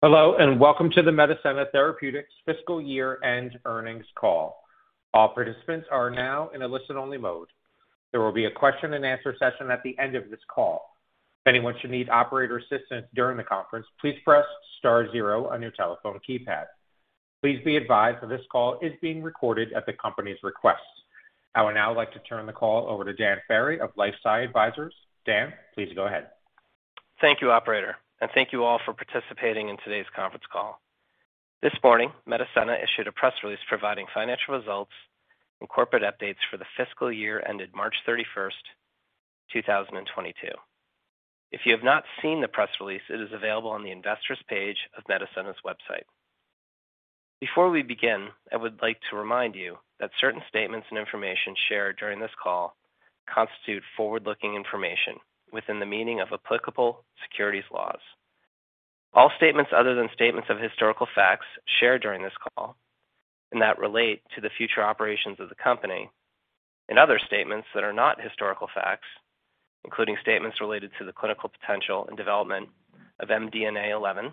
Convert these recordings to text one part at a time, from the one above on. Hello, and welcome to the Medicenna Therapeutics Fiscal Year-End Earnings Call. All participants are now in a listen-only mode. There will be a question and answer session at the end of this call. If anyone should need operator assistance during the conference, please press star zero on your telephone keypad. Please be advised that this call is being recorded at the company's request. I would now like to turn the call over to Dan Ferry of LifeSci Advisors. Dan, please go ahead. Thank you, operator, and thank you all for participating in today's conference call. This morning, Medicenna issued a press release providing financial results and corporate updates for the fiscal year ended March 31, 2022. If you have not seen the press release, it is available on the investors page of Medicenna's website. Before we begin, I would like to remind you that certain statements and information shared during this call constitute forward-looking information within the meaning of applicable securities laws. All statements other than statements of historical facts shared during this call and that relate to the future operations of the company and other statements that are not historical facts, including statements related to the clinical potential and development of MDNA11,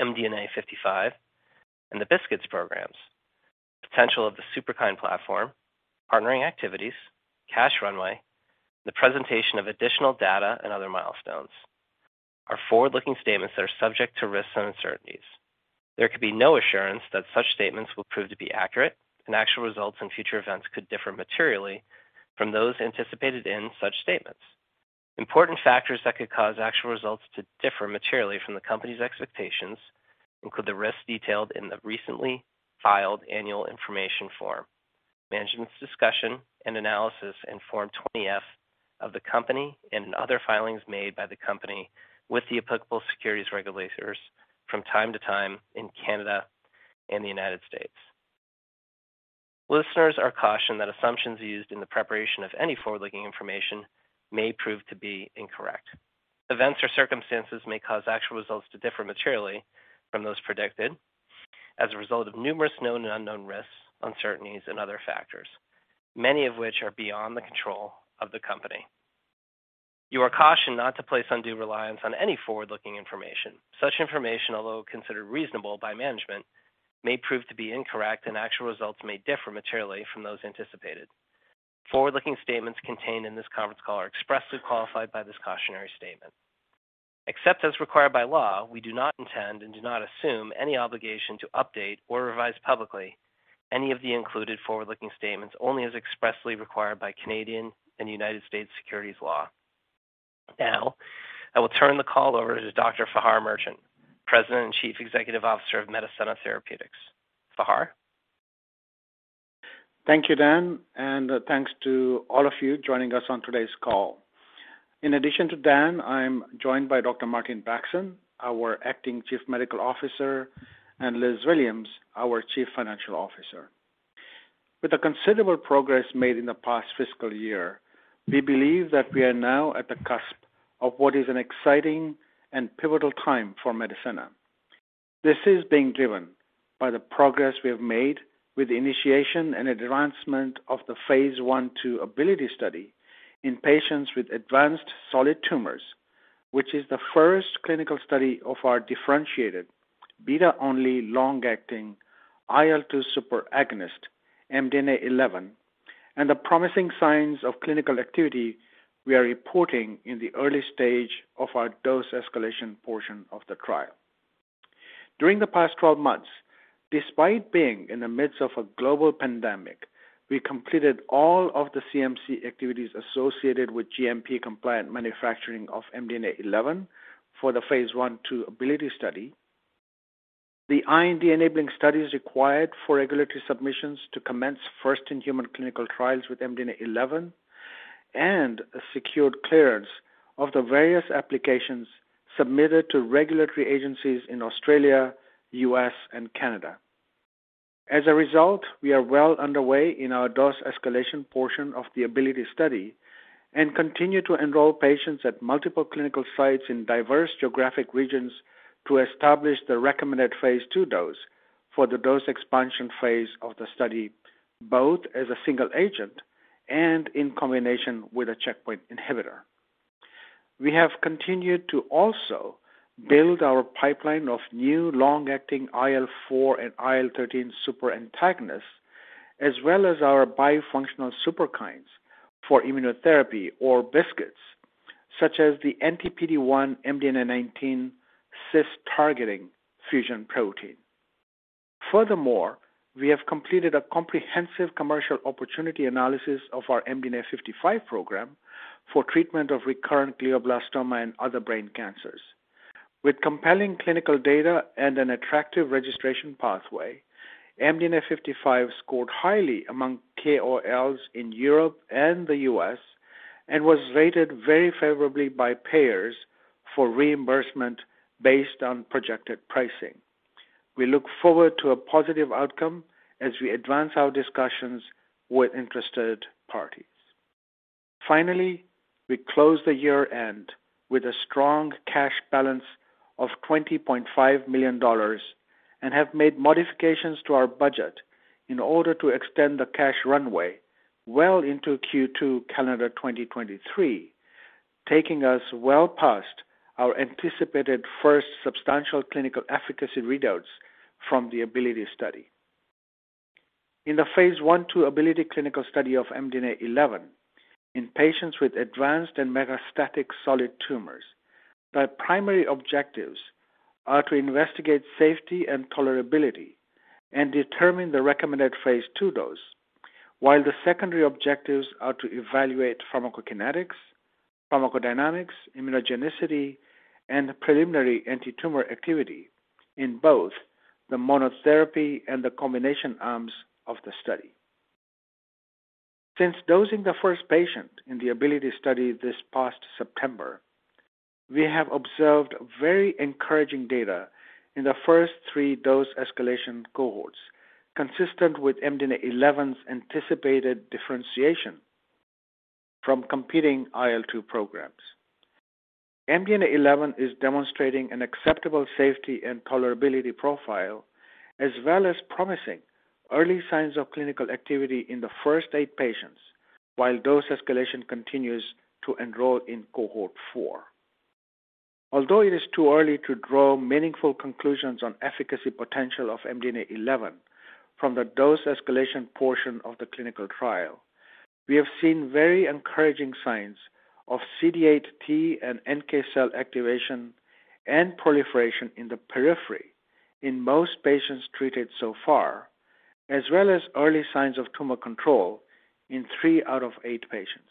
MDNA55, and the BiSKITs programs, potential of the Superkine platform, partnering activities, cash runway, the presentation of additional data and other milestones are forward-looking statements that are subject to risks and uncertainties. There can be no assurance that such statements will prove to be accurate, and actual results in future events could differ materially from those anticipated in such statements. Important factors that could cause actual results to differ materially from the company's expectations include the risks detailed in the recently filed annual information form, Management's Discussion and Analysis and Form 20-F of the company and other filings made by the company with the applicable securities regulators from time to time in Canada and the United States. Listeners are cautioned that assumptions used in the preparation of any forward-looking information may prove to be incorrect. Events or circumstances may cause actual results to differ materially from those predicted as a result of numerous known and unknown risks, uncertainties, and other factors, many of which are beyond the control of the company. You are cautioned not to place undue reliance on any forward-looking information. Such information, although considered reasonable by management, may prove to be incorrect and actual results may differ materially from those anticipated. Forward-looking statements contained in this conference call are expressly qualified by this cautionary statement. Except as required by law, we do not intend and do not assume any obligation to update or revise publicly any of the included forward-looking statements, only as expressly required by Canadian and United States securities law. Now, I will turn the call over to Dr. Fahar Merchant, President and Chief Executive Officer of Medicenna Therapeutics. Fahar? Thank you, Dan, and, thanks to all of you joining us on today's call. In addition to Dan, I'm joined by Dr. Martin Bexon, our acting Chief Medical Officer, and Liz Williams, our Chief Financial Officer. With the considerable progress made in the past fiscal year, we believe that we are now at the cusp of what is an exciting and pivotal time for Medicenna. This is being driven by the progress we have made with the initiation and advancement of the phase I/II ABILITY study in patients with advanced solid tumors, which is the first clinical study of our differentiated beta-only long-acting IL-2 superagonist, MDNA11, and the promising signs of clinical activity we are reporting in the early stage of our dose escalation portion of the trial. During the past 12 months, despite being in the midst of a global pandemic, we completed all of the CMC activities associated with GMP-compliant manufacturing of MDNA11 for the phase I/II ABILITY study. The IND-enabling studies required for regulatory submissions to commence first in human clinical trials with MDNA11 and secured clearance of the various applications submitted to regulatory agencies in Australia, U.S., and Canada. As a result, we are well underway in our dose escalation portion of the ABILITY study and continue to enroll patients at multiple clinical sites in diverse geographic regions to establish the recommended phase IIthe dose for the dose expansion phase of the study, both as a single agent and in combination with a checkpoint inhibitor. We have continued to also build our pipeline of new long-acting IL-4 and IL-13 super antagonists, as well as our BiSKITs, such as the NTPDase1 MDNA19 CD39-targeting fusion protein. Furthermore, we have completed a comprehensive commercial opportunity analysis of our MDNA55 program for treatment of recurrent glioblastoma and other brain cancers. With compelling clinical data and an attractive registration pathway, MDNA55 scored highly among KOLs in Europe and the U.S. and was rated very favorably by payers for reimbursement based on projected pricing. We look forward to a positive outcome as we advance our discussions with interested parties. Finally, we close the year-end with a strong cash balance of $20.5 million. We have made modifications to our budget in order to extend the cash runway well into Q2 calendar 2023, taking us well past our anticipated first substantial clinical efficacy readouts from the ABILITY study. In the phase 1/2 ABILITY clinical study of MDNA11 in patients with advanced and metastatic solid tumors, the primary objectives are to investigate safety and tolerability and determine the recommended phase II dose, while the secondary objectives are to evaluate pharmacokinetics, pharmacodynamics, immunogenicity, and preliminary antitumor activity in both the monotherapy and the combination arms of the study. Since dosing the first patient in the ABILITY study this past September, we have observed very encouraging data in the first three dose escalation cohorts, consistent with MDNA11's anticipated differentiation from competing IL-2 programs. MDNA11 is demonstrating an acceptable safety and tolerability profile, as well as promising early signs of clinical activity in the first eight patients while dose escalation continues to enroll in cohort 4. Although it is too early to draw meaningful conclusions on efficacy potential of MDNA11 from the dose escalation portion of the clinical trial, we have seen very encouraging signs of CD8 T and NK cell activation and proliferation in the periphery in most patients treated so far, as well as early signs of tumor control in three out of eight patients.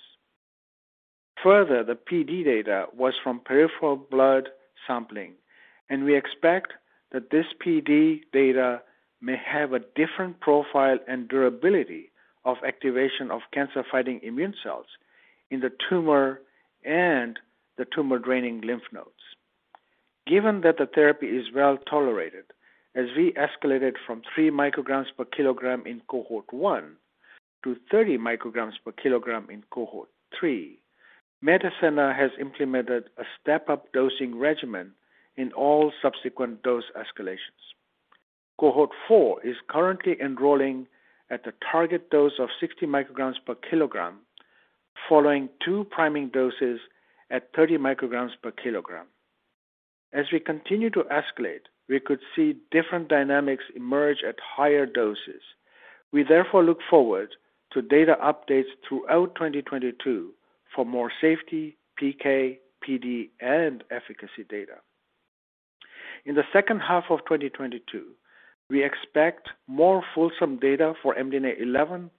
Further, the PD data was from peripheral blood sampling, and we expect that this PD data may have a different profile and durability of activation of cancer-fighting immune cells in the tumor and the tumor-draining lymph nodes. Given that the therapy is well-tolerated as we escalated from 3 µg per kilogram in cohort 1 to 30 µg per kilogram in cohort 3, Medicenna has implemented a step-up dosing regimen in all subsequent dose escalations. Cohort 4 is currently enrolling at the target dose of 60 µg per kilogram following two priming doses at 30 µg per kilogram. As we continue to escalate, we could see different dynamics emerge at higher doses. We therefore look forward to data updates throughout 2022 for more safety, PK, PD, and efficacy data. In the second half of 2022, we expect more fulsome data for MDNA11,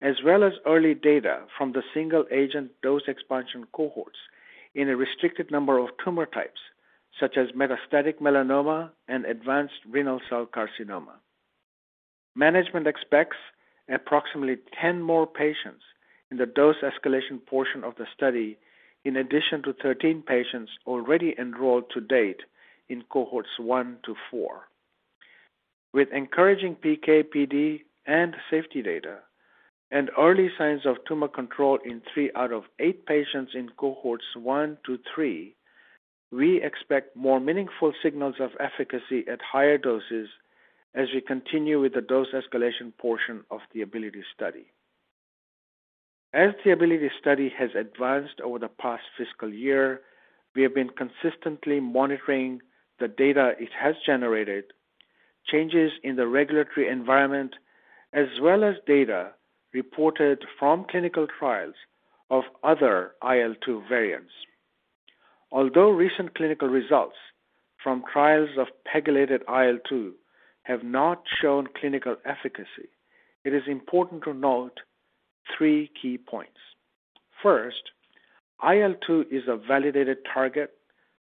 as well as early data from the single agent dose expansion cohorts in a restricted number of tumor types, such as metastatic melanoma and advanced renal cell carcinoma. Management expects approximately 10 more patients in the dose escalation portion of the study in addition to 13 patients already enrolled to date in cohorts one to four. With encouraging PK, PD, and safety data and early signs of tumor control in three out of eight patients in cohorts one to three,, we expect more meaningful signals of efficacy at higher doses as we continue with the dose escalation portion of the ABILITY study. As the ABILITY study has advanced over the past fiscal year, we have been consistently monitoring the data it has generated, changes in the regulatory environment, as well as data reported from clinical trials of other IL-2 variants. Although recent clinical results from trials of pegylated IL-2 have not shown clinical efficacy, it is important to note three key points. First, IL-2 is a validated target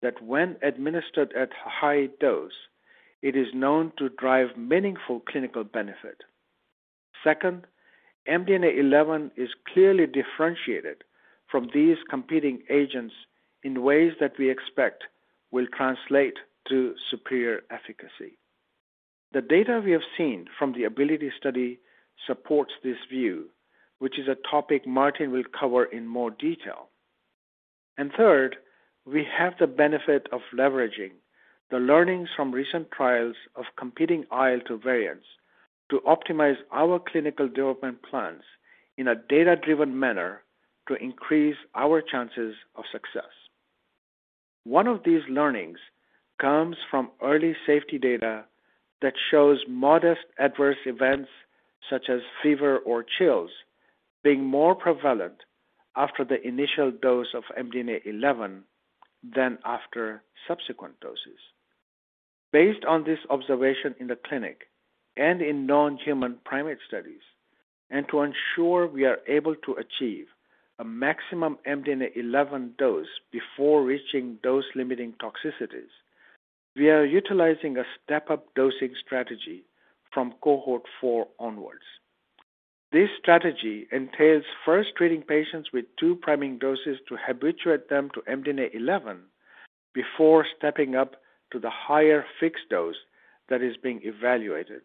that, when administered at high doses, it is known to drive meaningful clinical benefit. Second, MDNA11 is clearly differentiated from these competing agents in ways that we expect will translate to superior efficacy. The data we have seen from the ABILITY study supports this view, which is a topic Martin will cover in more detail. Third, we have the benefit of leveraging the learnings from recent trials of competing IL-2 variants to optimize our clinical development plans in a data-driven manner to increase our chances of success. One of these learnings comes from early safety data that shows modest adverse events such as fever or chills, being more prevalent after the initial dose of MDNA11 than after subsequent doses. Based on this observation in the clinic and in non-human primate studies, and to ensure we are able to achieve a maximum MDNA11 dose before reaching dose-limiting toxicities, we are utilizing a step-up dosing strategy from cohort four onwards. This strategy entails first treating patients with two priming doses to habituate them to MDNA11 before stepping up to the higher fixed dose that is being evaluated.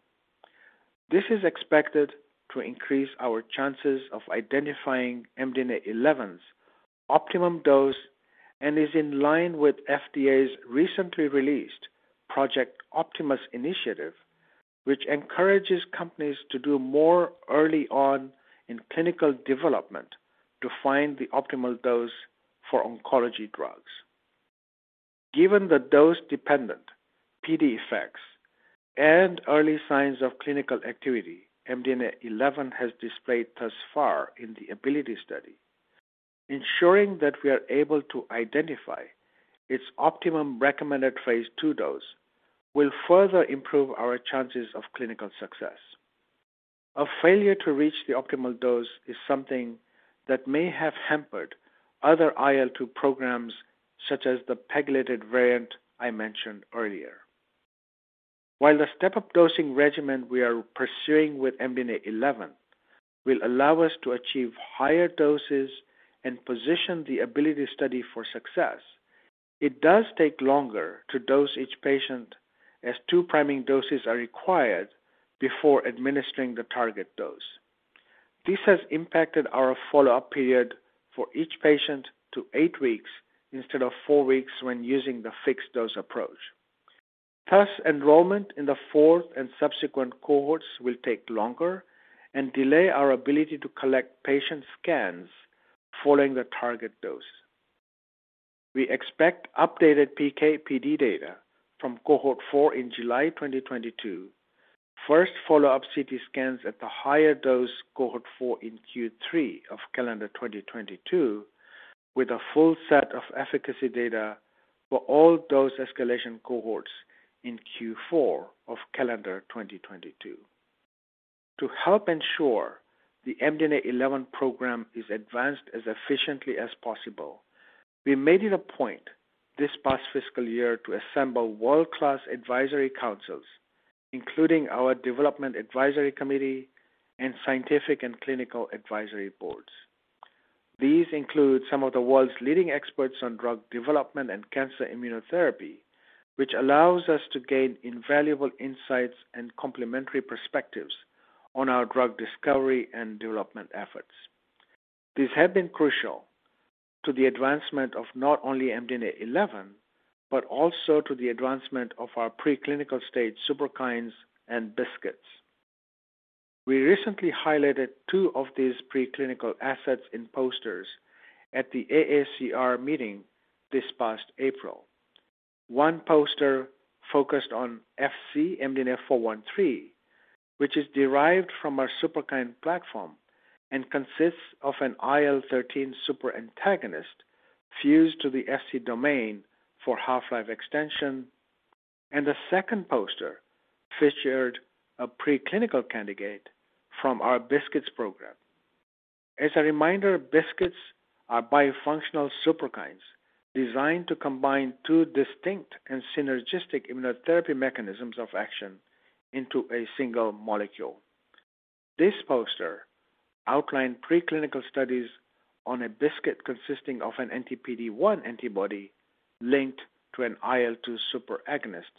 This is expected to increase our chances of identifying MDNA11's optimum dose and is in line with FDA's recently released Project Optimus initiative, which encourages companies to do more early on in clinical development to find the optimal dose for oncology drugs. Given the dose-dependent PD effects and early signs of clinical activity MDNA11 has displayed thus far in the ABILITY study, ensuring that we are able to identify its optimum recommended phase two dose will further improve our chances of clinical success. A failure to reach the optimal dose is something that may have hampered other IL-2 programs, such as the pegylated variant I mentioned earlier. While the step-up dosing regimen we are pursuing with MDNA11 will allow us to achieve higher doses and position the ABILITY study for success, it does take longer to dose each patient as two priming doses are required before administering the target dose. This has impacted our follow-up period for each patient to eight weeks instead of four weeks when using the fixed-dose approach. Thus, enrollment in the fourth and subsequent cohorts will take longer and delay our ability to collect patient scans following the target dose. We expect updated PK/PD data from cohort four in July 2022. First follow-up CT scans at the higher dose cohort 4 in Q3 of calendar 2022, with a full set of efficacy data for all dose escalation cohorts in Q4 of calendar 2022. To help ensure the MDNA11 program is advanced as efficiently as possible, we made it a point this past fiscal year to assemble world-class advisory councils, including our Development Advisory Committee and Scientific and Clinical Advisory Boards. These include some of the world's leading experts on drug development and cancer immunotherapy, which allows us to gain invaluable insights and complementary perspectives on our drug discovery and development efforts. These have been crucial to the advancement of not only MDNA11, but also to the advancement of our preclinical-stage Superkines and BiSKITs. We recently highlighted two of these preclinical assets in posters at the AACR meeting this past April. One poster focused on Fc-MDNA413, which is derived from our Superkine platform and consists of an IL-13 super-antagonist fused to the Fc domain for half-life extension, and a second poster featured a preclinical candidate from our BiSKITs program. As a reminder, BiSKITs are bifunctional Superkines designed to combine two distinct and synergistic immunotherapy mechanisms of action into a single molecule. This poster outlined preclinical studies on a BiSKIT consisting of an anti-PD-1 antibody linked to an IL-2 superagonist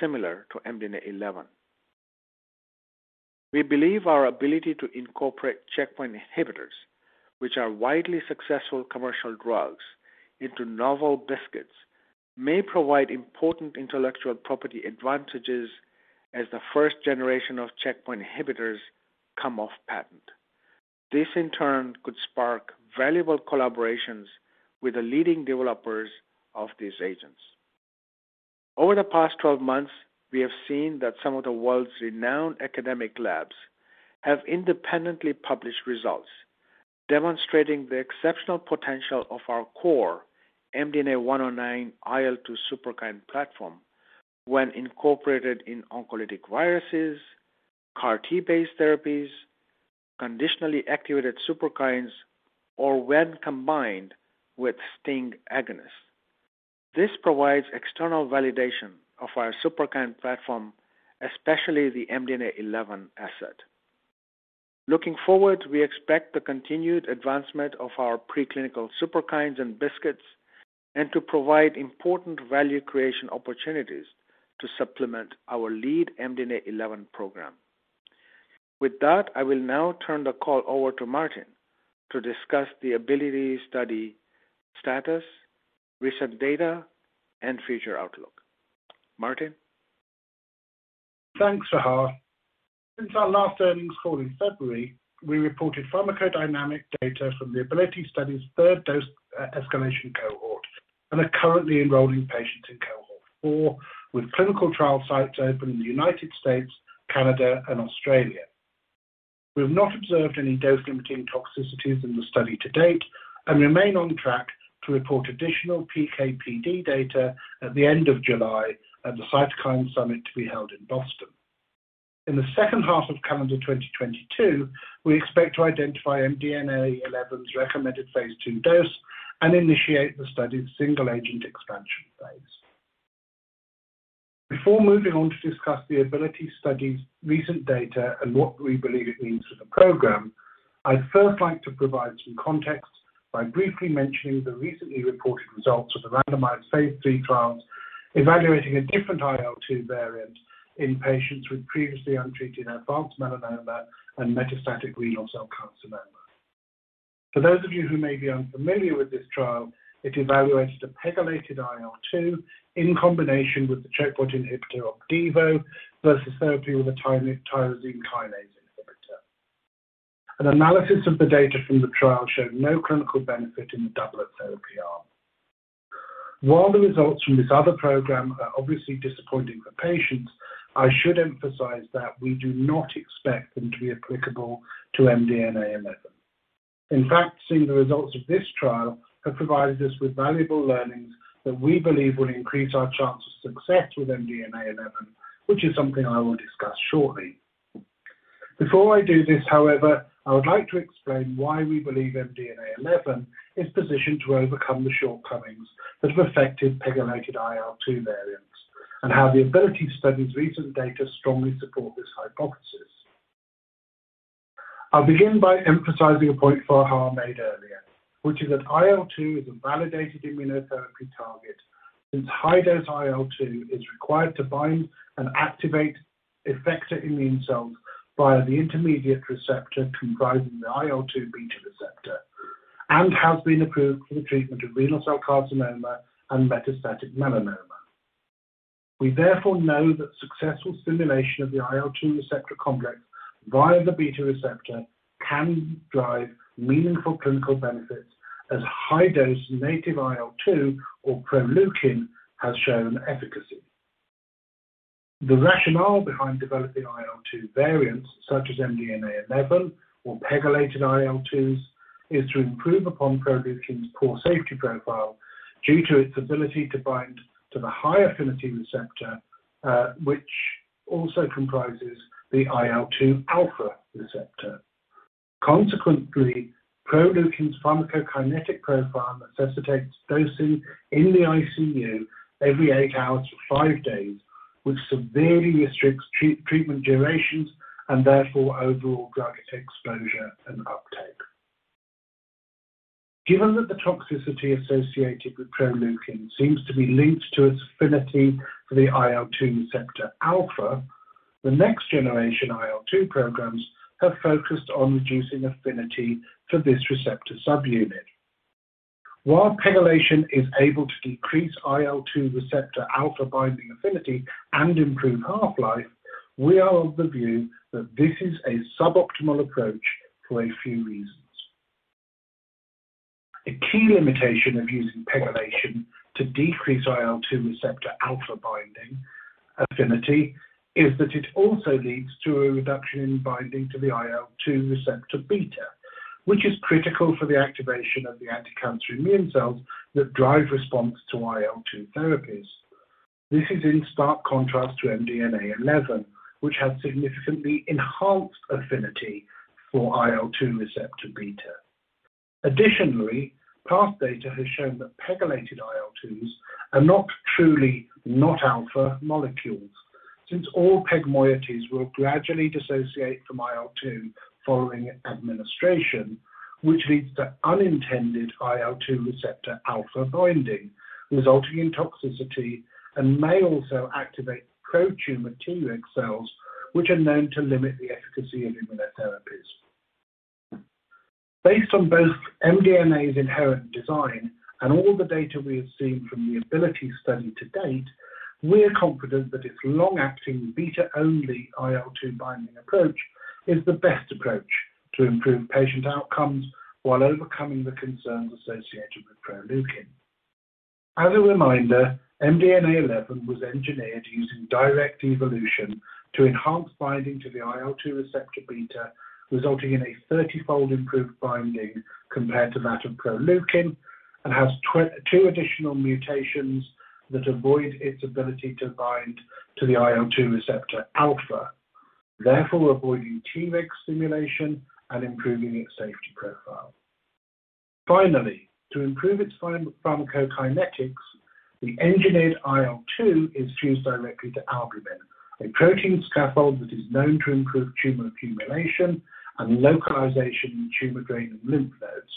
similar to MDNA11. We believe our ability to incorporate checkpoint inhibitors, which are widely successful commercial drugs, into novel BiSKITs may provide important intellectual property advantages as the first generation of checkpoint inhibitors come off patent. This, in turn, could spark valuable collaborations with the leading developers of these agents. Over the past 12 months, we have seen that some of the world's renowned academic labs have independently published results demonstrating the exceptional potential of our core MDNA109 IL-2 Superkine platform when incorporated in oncolytic viruses, CAR-T-based therapies, conditionally activated Superkines, or when combined with STING agonists. This provides external validation of our Superkine platform, especially the MDNA11 asset. Looking forward, we expect the continued advancement of our preclinical Superkines and BiSKITs, and to provide important value creation opportunities to supplement our lead MDNA11 program. With that, I will now turn the call over to Martin to discuss the ABILITY study status, recent data, and future outlook. Martin? Thanks, Fahar. Since our last earnings call in February, we reported pharmacodynamic data from the ABILITY study's third dose escalation cohort and are currently enrolling patients in cohort 4, with clinical trial sites open in the United States, Canada, and Australia. We have not observed any dose-limiting toxicities in the study to date and remain on track to report additional PK/PD data at the end of July at the Cytokine Summit to be held in Boston. In the second half of calendar 2022, we expect to identify MDNA11's recommended phase II dose and initiate the study's single-agent expansion phase. Before moving on to discuss the ABILITY study's recent data and what we believe it means for the program. I'd first like to provide some context by briefly mentioning the recently reported results of the randomized phase III trials evaluating a different IL-2 variant in patients with previously untreated advanced melanoma and metastatic renal cell carcinoma. For those of you who may be unfamiliar with this trial, it evaluated a pegylated IL-2 in combination with the checkpoint inhibitor Opdivo versus therapy with a tyrosine kinase inhibitor. An analysis of the data from the trial showed no clinical benefit in the double therapy arm. While the results from this other program are obviously disappointing for patients, I should emphasize that we do not expect them to be applicable to MDNA11. In fact, seeing the results of this trial have provided us with valuable learnings that we believe will increase our chance of success with MDNA11, which is something I will discuss shortly. Before I do this, however, I would like to explain why we believe MDNA11 is positioned to overcome the shortcomings that have affected pegylated IL-2 variants and how the ABILITY study's recent data strongly support this hypothesis. I'll begin by emphasizing a point Fahar made earlier, which is that IL-2 is a validated immunotherapy target since high-dose IL-2 is required to bind and activate effector immune cells via the intermediate receptor comprising the IL-2 beta receptor and has been approved for the treatment of renal cell carcinoma and metastatic melanoma. We therefore know that successful stimulation of the IL-2 receptor complex via the beta receptor can drive meaningful clinical benefits as high dose native IL-2 or Proleukin has shown efficacy. The rationale behind developing IL-2 variants such as MDNA11 or pegylated IL-2s is to improve upon Proleukin's poor safety profile due to its ability to bind to the high affinity receptor, which also comprises the IL-2 alpha receptor. Consequently, Proleukin's pharmacokinetic profile necessitates dosing in the ICU every eight hours for five days, which severely restricts treatment durations and therefore overall drug exposure and uptake. Given that the toxicity associated with Proleukin seems to be linked to its affinity for the IL-2 receptor alpha, the next generation IL-2 programs have focused on reducing affinity for this receptor subunit. While pegylation is able to decrease IL-2 receptor alpha binding affinity and improve half-life, we are of the view that this is a suboptimal approach for a few reasons. A key limitation of using pegylation to decrease IL-2 receptor alpha binding affinity is that it also leads to a reduction in binding to the IL-2 receptor beta, which is critical for the activation of the anticancer immune cells that drive response to IL-2 therapies. This is in stark contrast to MDNA11, which has significantly enhanced affinity for IL-2 receptor beta. Additionally, past data has shown that pegylated IL-2s are not truly non-alpha molecules, since all PEG moieties will gradually dissociate from IL-2 following administration, which leads to unintended IL-2 receptor alpha binding, resulting in toxicity and may also activate pro-tumor Treg cells, which are known to limit the efficacy of immunotherapies. Based on both MDNA's inherent design and all the data we have seen from the ABILITY Study to date, we are confident that its long-acting beta-only IL-2 binding approach is the best approach to improve patient outcomes while overcoming the concerns associated with Proleukin. As a reminder, MDNA11 was engineered using direct evolution to enhance binding to the IL-2 receptor beta, resulting in a 30-fold improved binding compared to that of Proleukin and has two additional mutations that avoid its ability to bind to the IL-2 receptor alpha, therefore avoiding Treg stimulation and improving its safety profile. Finally, to improve its pharmacokinetics, the engineered IL-2 is fused directly to albumin, a protein scaffold that is known to improve tumor accumulation and localization in tumor-draining lymph nodes.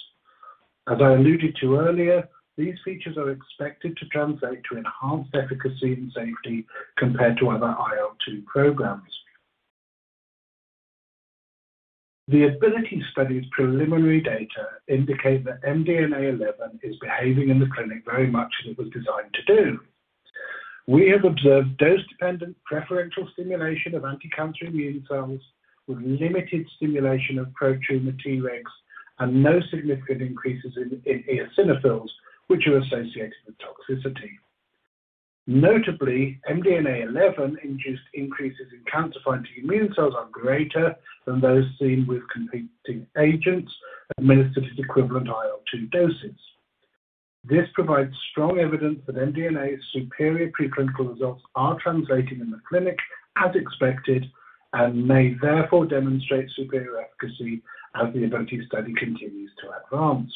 As I alluded to earlier, these features are expected to translate to enhanced efficacy and safety compared to other IL-2 programs. The ABILITY Study's preliminary data indicate that MDNA11 is behaving in the clinic very much as it was designed to do. We have observed dose-dependent preferential stimulation of anticancer immune cells with limited stimulation of pro-tumor Tregs and no significant increases in eosinophils which are associated with toxicity. Notably, MDNA11 induced increases in cancer-fighting immune cells are greater than those seen with competing agents administered at equivalent IL-2 doses. This provides strong evidence that MDNA's superior preclinical results are translating in the clinic as expected and may therefore demonstrate superior efficacy as the ABILITY Study continues to advance.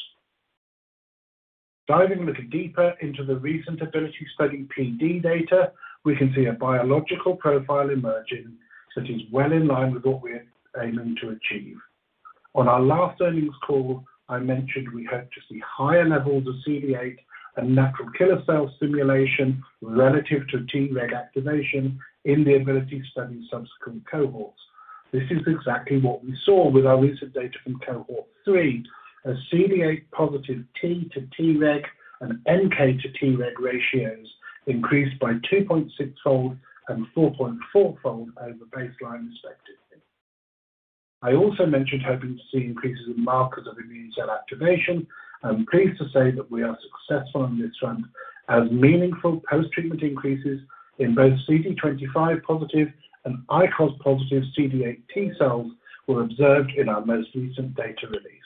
Diving a little deeper into the recent ABILITY study PD data, we can see a biological profile emerging that is well in line with what we're aiming to achieve. On our last earnings call, I mentioned we hope to see higher levels of CD8 and natural killer cell stimulation relative to T-reg activation in the ABILITY study subsequent cohorts. This is exactly what we saw with our recent data from cohort 3 as CD8 positive T to T-reg and NK to T-reg ratios increased by 2.6-fold and 4.4-fold over baseline respectively. I also mentioned hoping to see increases in markers of immune cell activation. I'm pleased to say that we are successful on this front as meaningful post-treatment increases in both CD25 positive and ICOS positive CD8 T cells were observed in our most recent data release.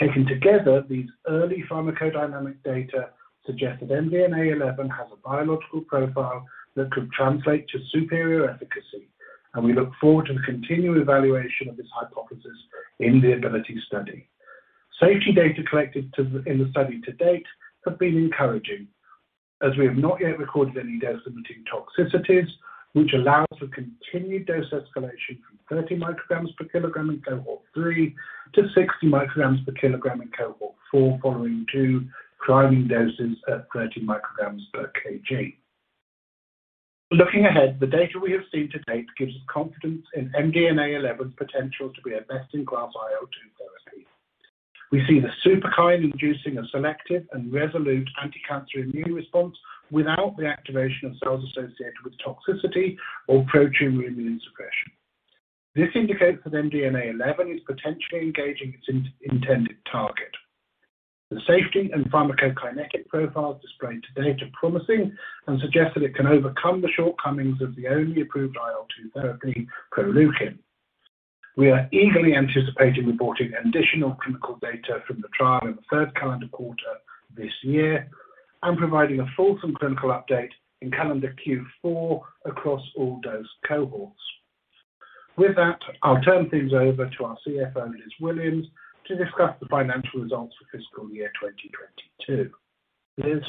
Taken together, these early pharmacodynamic data suggest that MDNA11 has a biological profile that could translate to superior efficacy, and we look forward to the continued evaluation of this hypothesis in the ABILITY study. Safety data collected in the study to date have been encouraging, as we have not yet recorded any dose-limiting toxicities, which allows for continued dose escalation from 30 µg per kilogram in cohort 3 to 60 µg per kilogram in cohort 4, following two priming doses at 30 µg per kg. Looking ahead, the data we have seen to date gives us confidence in MDNA11's potential to be a best-in-class IL-2 therapy. We see the Superkine inducing a selective and resolute anticancer immune response without the activation of cells associated with toxicity or pro-tumor immune suppression. This indicates that MDNA11 is potentially engaging its intended target. The safety and pharmacokinetic profiles displayed to date are promising and suggest that it can overcome the shortcomings of the only approved IL-2 therapy, Proleukin. We are eagerly anticipating reporting additional clinical data from the trial in the third calendar quarter this year and providing a fulsome clinical update in calendar Q4 across all dose cohorts. With that, I'll turn things over to our CFO, Liz Williams, to discuss the financial results for fiscal year 2022. Liz.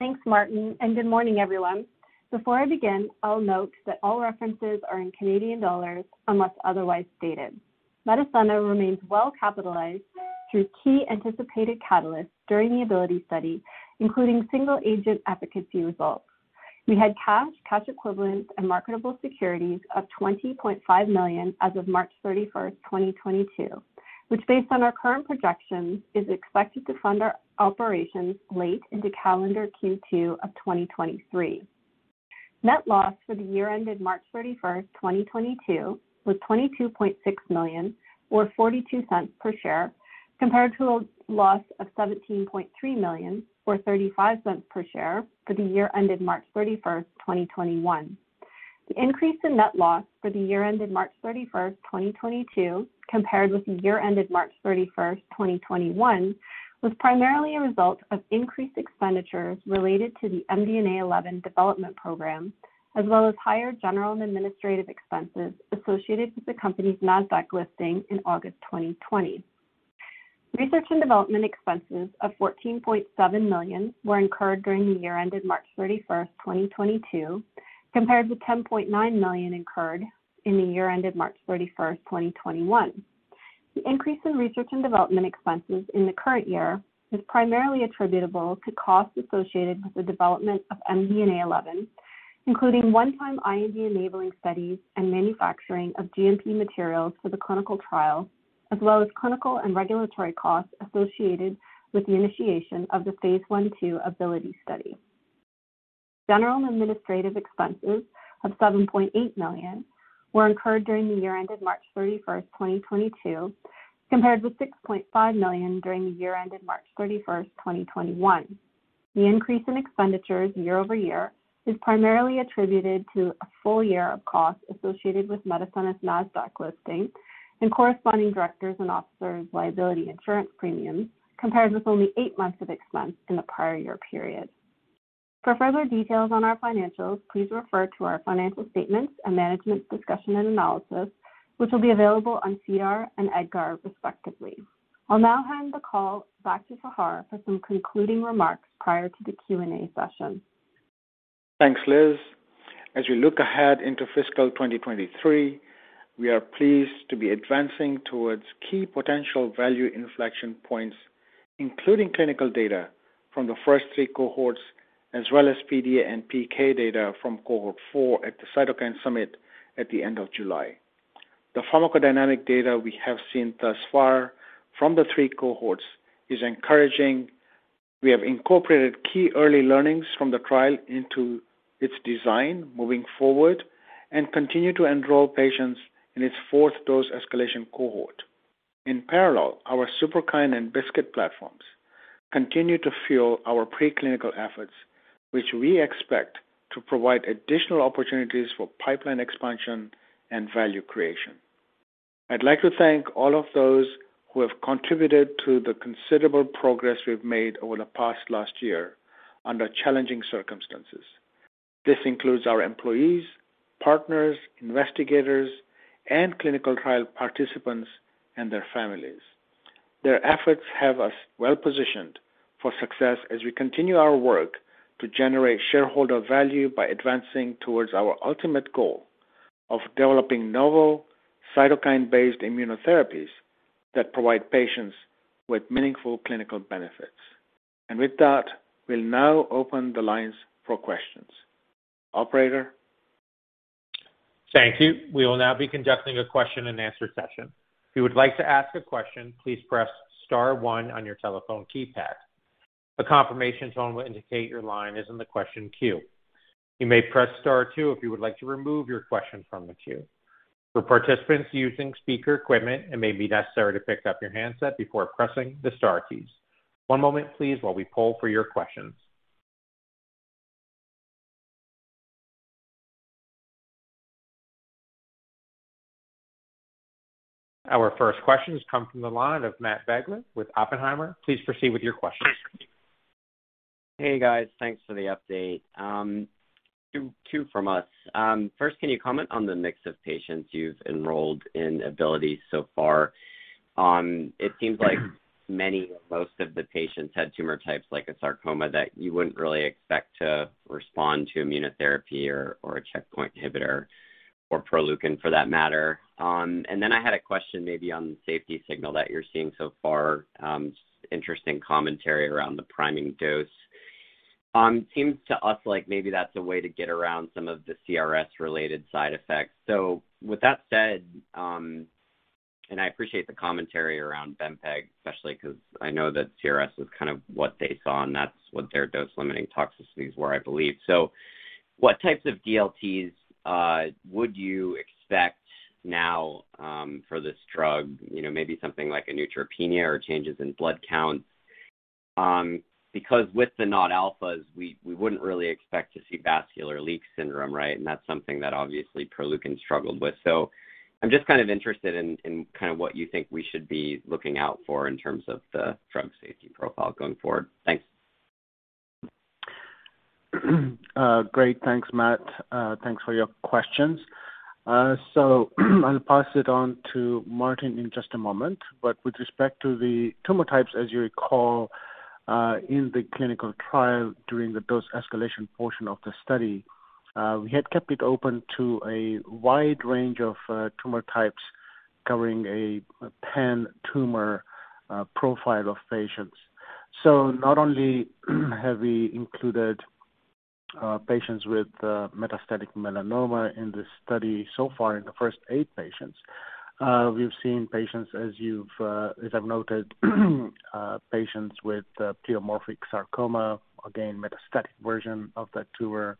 Thanks, Martin, and good morning, everyone. Before I begin, I'll note that all references are in Canadian dollars unless otherwise stated. Medicenna remains well capitalized through key anticipated catalysts during the ABILITY study, including single-agent efficacy results. We had cash equivalents, and marketable securities of 20.5 million as of March 31, 2022, which, based on our current projections, is expected to fund our operations late into calendar Q2 of 2023. Net loss for the year ended March 31, 2022 was 22.6 million, or 0.42 per share, compared to a loss of 17.3 million or 0.35 per share for the year ended March 31, 2021. The increase in net loss for the year ended March 31, 2022 compared with the year ended March 31, 2021 was primarily a result of increased expenditures related to the MDNA11 development program, as well as higher general and administrative expenses associated with the company's Nasdaq listing in August 2020. Research and development expenses of CAD 14.7 million were incurred during the year ended March 31, 2022, compared with CAD 10.9 million incurred in the year ended March 31, 2021. The increase in research and development expenses in the current year was primarily attributable to costs associated with the development of MDNA11, including one-time IND enabling studies and manufacturing of GMP materials for the clinical trial, as well as clinical and regulatory costs associated with the initiation of the Phase I/II ABILITY study. General and administrative expenses of 7.8 million were incurred during the year ended March 31, 2022, compared with 6.5 million during the year ended March 31, 2021. The increase in expenditures year-over-year is primarily attributed to a full year of costs associated with Medicenna's Nasdaq listing and corresponding directors' and officers' liability insurance premiums, compared with only eight months of expense in the prior year period. For further details on our financials, please refer to our financial statements and management's discussion and analysis, which will be available on SEDAR and EDGAR, respectively. I'll now hand the call back to Fahar for some concluding remarks prior to the Q&A session. Thanks, Liz. As we look ahead into fiscal 2023, we are pleased to be advancing towards key potential value inflection points, including clinical data from the first three cohorts, as well as PD and PK data from cohort 4 at the Cytokine Summit at the end of July. The pharmacodynamic data we have seen thus far from the three cohorts is encouraging. We have incorporated key early learnings from the trial into its design moving forward and continue to enroll patients in its fourth dose escalation cohort. In parallel, our Superkine and BiSKITs platforms continue to fuel our preclinical efforts, which we expect to provide additional opportunities for pipeline expansion and value creation. I'd like to thank all of those who have contributed to the considerable progress we've made over the past year under challenging circumstances. This includes our employees, partners, investigators, and clinical trial participants and their families. Their efforts have us well positioned for success as we continue our work to generate shareholder value by advancing towards our ultimate goal of developing novel cytokine-based immunotherapies that provide patients with meaningful clinical benefits. With that, we'll now open the lines for questions. Operator. Thank you. We will now be conducting a question-and-answer session. If you would like to ask a question, please press star one on your telephone keypad. A confirmation tone will indicate your line is in the question queue. You may press star two if you would like to remove your question from the queue. For participants using speaker equipment, it may be necessary to pick up your handset before pressing the star keys. One moment please while we poll for your questions. Our first question has come from the line of Matt Biegler with Oppenheimer. Please proceed with your question. Hey, guys. Thanks for the update. Two from us. First, can you comment on the mix of patients you've enrolled in ABILITY so far? It seems like many or most of the patients had tumor types like a sarcoma that you wouldn't really expect to respond to immunotherapy or a checkpoint inhibitor or Proleukin for that matter. Then I had a question maybe on the safety signal that you're seeing so far, just interesting commentary around the priming dose. Seems to us like maybe that's a way to get around some of the CRS-related side effects. With that said, I appreciate the commentary around Bempegaldesleukin, especially 'cause I know that CRS is kind of what they saw, and that's what their dose-limiting toxicities were, I believe. What types of DLTs would you expect now for this drug? You know, maybe something like a neutropenia or changes in blood counts. Because with the non-alphas, we wouldn't really expect to see vascular leak syndrome, right? That's something that obviously Proleukin struggled with. I'm just kind of interested in kind of what you think we should be looking out for in terms of the drug safety profile going forward. Thanks. Great. Thanks, Matt. Thanks for your questions. I'll pass it on to Martin in just a moment. With respect to the tumor types, as you recall, in the clinical trial during the dose escalation portion of the study, we had kept it open to a wide range of tumor types covering a pan-tumor profile of patients. Not only have we included patients with metastatic melanoma in this study so far in the first eight, patients, we've seen patients, as I've noted, patients with pleomorphic sarcoma, again, metastatic version of that tumor.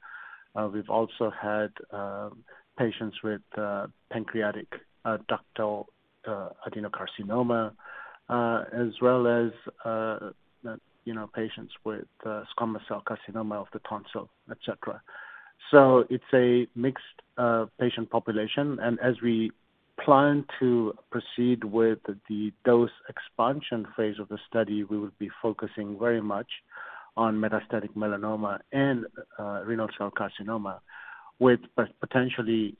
We've also had patients with pancreatic ductal adenocarcinoma, as well as, you know, patients with squamous cell carcinoma of the tonsil, et cetera. It's a mixed patient population, and as we plan to proceed with the dose expansion phase of the study, we will be focusing very much on metastatic melanoma and renal cell carcinoma with potentially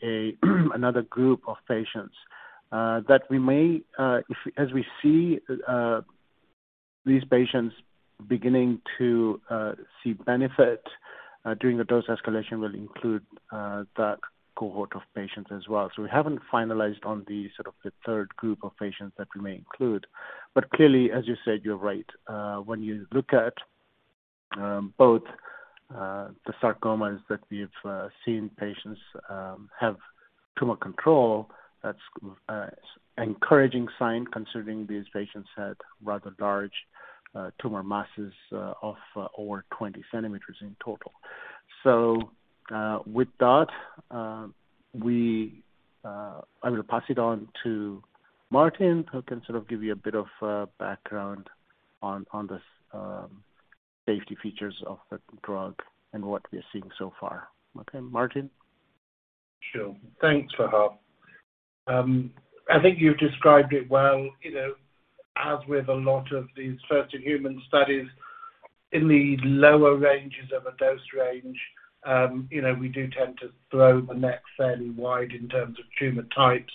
another group of patients that we may if as we see these patients beginning to see benefit during the dose escalation will include that cohort of patients as well. We haven't finalized on the sort of the third group of patients that we may include. Clearly, as you said, you're right. When you look at both the sarcomas that we've seen patients have tumor control, that's encouraging sign considering these patients had rather large tumor masses of over 20 centimeters in total. With that, I will pass it on to Martin, who can sort of give you a bit of background on the safety features of the drug and what we're seeing so far. Okay, Martin? Sure. Thanks, Fahar. I think you've described it well. You know, as with a lot of these first-in-human studies in the lower ranges of a dose range, you know, we do tend to throw the net fairly wide in terms of tumor types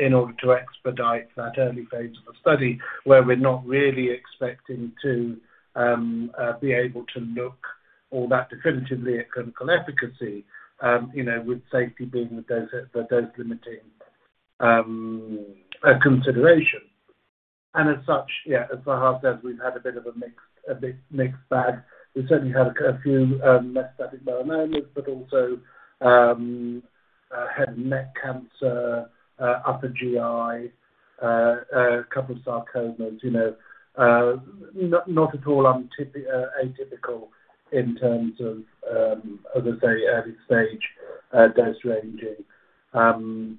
in order to expedite that early phase of a study where we're not really expecting to be able to look all that definitively at clinical efficacy, you know, with safety being the dose-limiting consideration. As such, yeah, as Fahar said, we've had a bit of a mixed bag. We certainly had a few metastatic melanomas, but also head and neck cancer, upper GI, a couple sarcomas. You know, not at all atypical in terms of a very early stage dose ranging.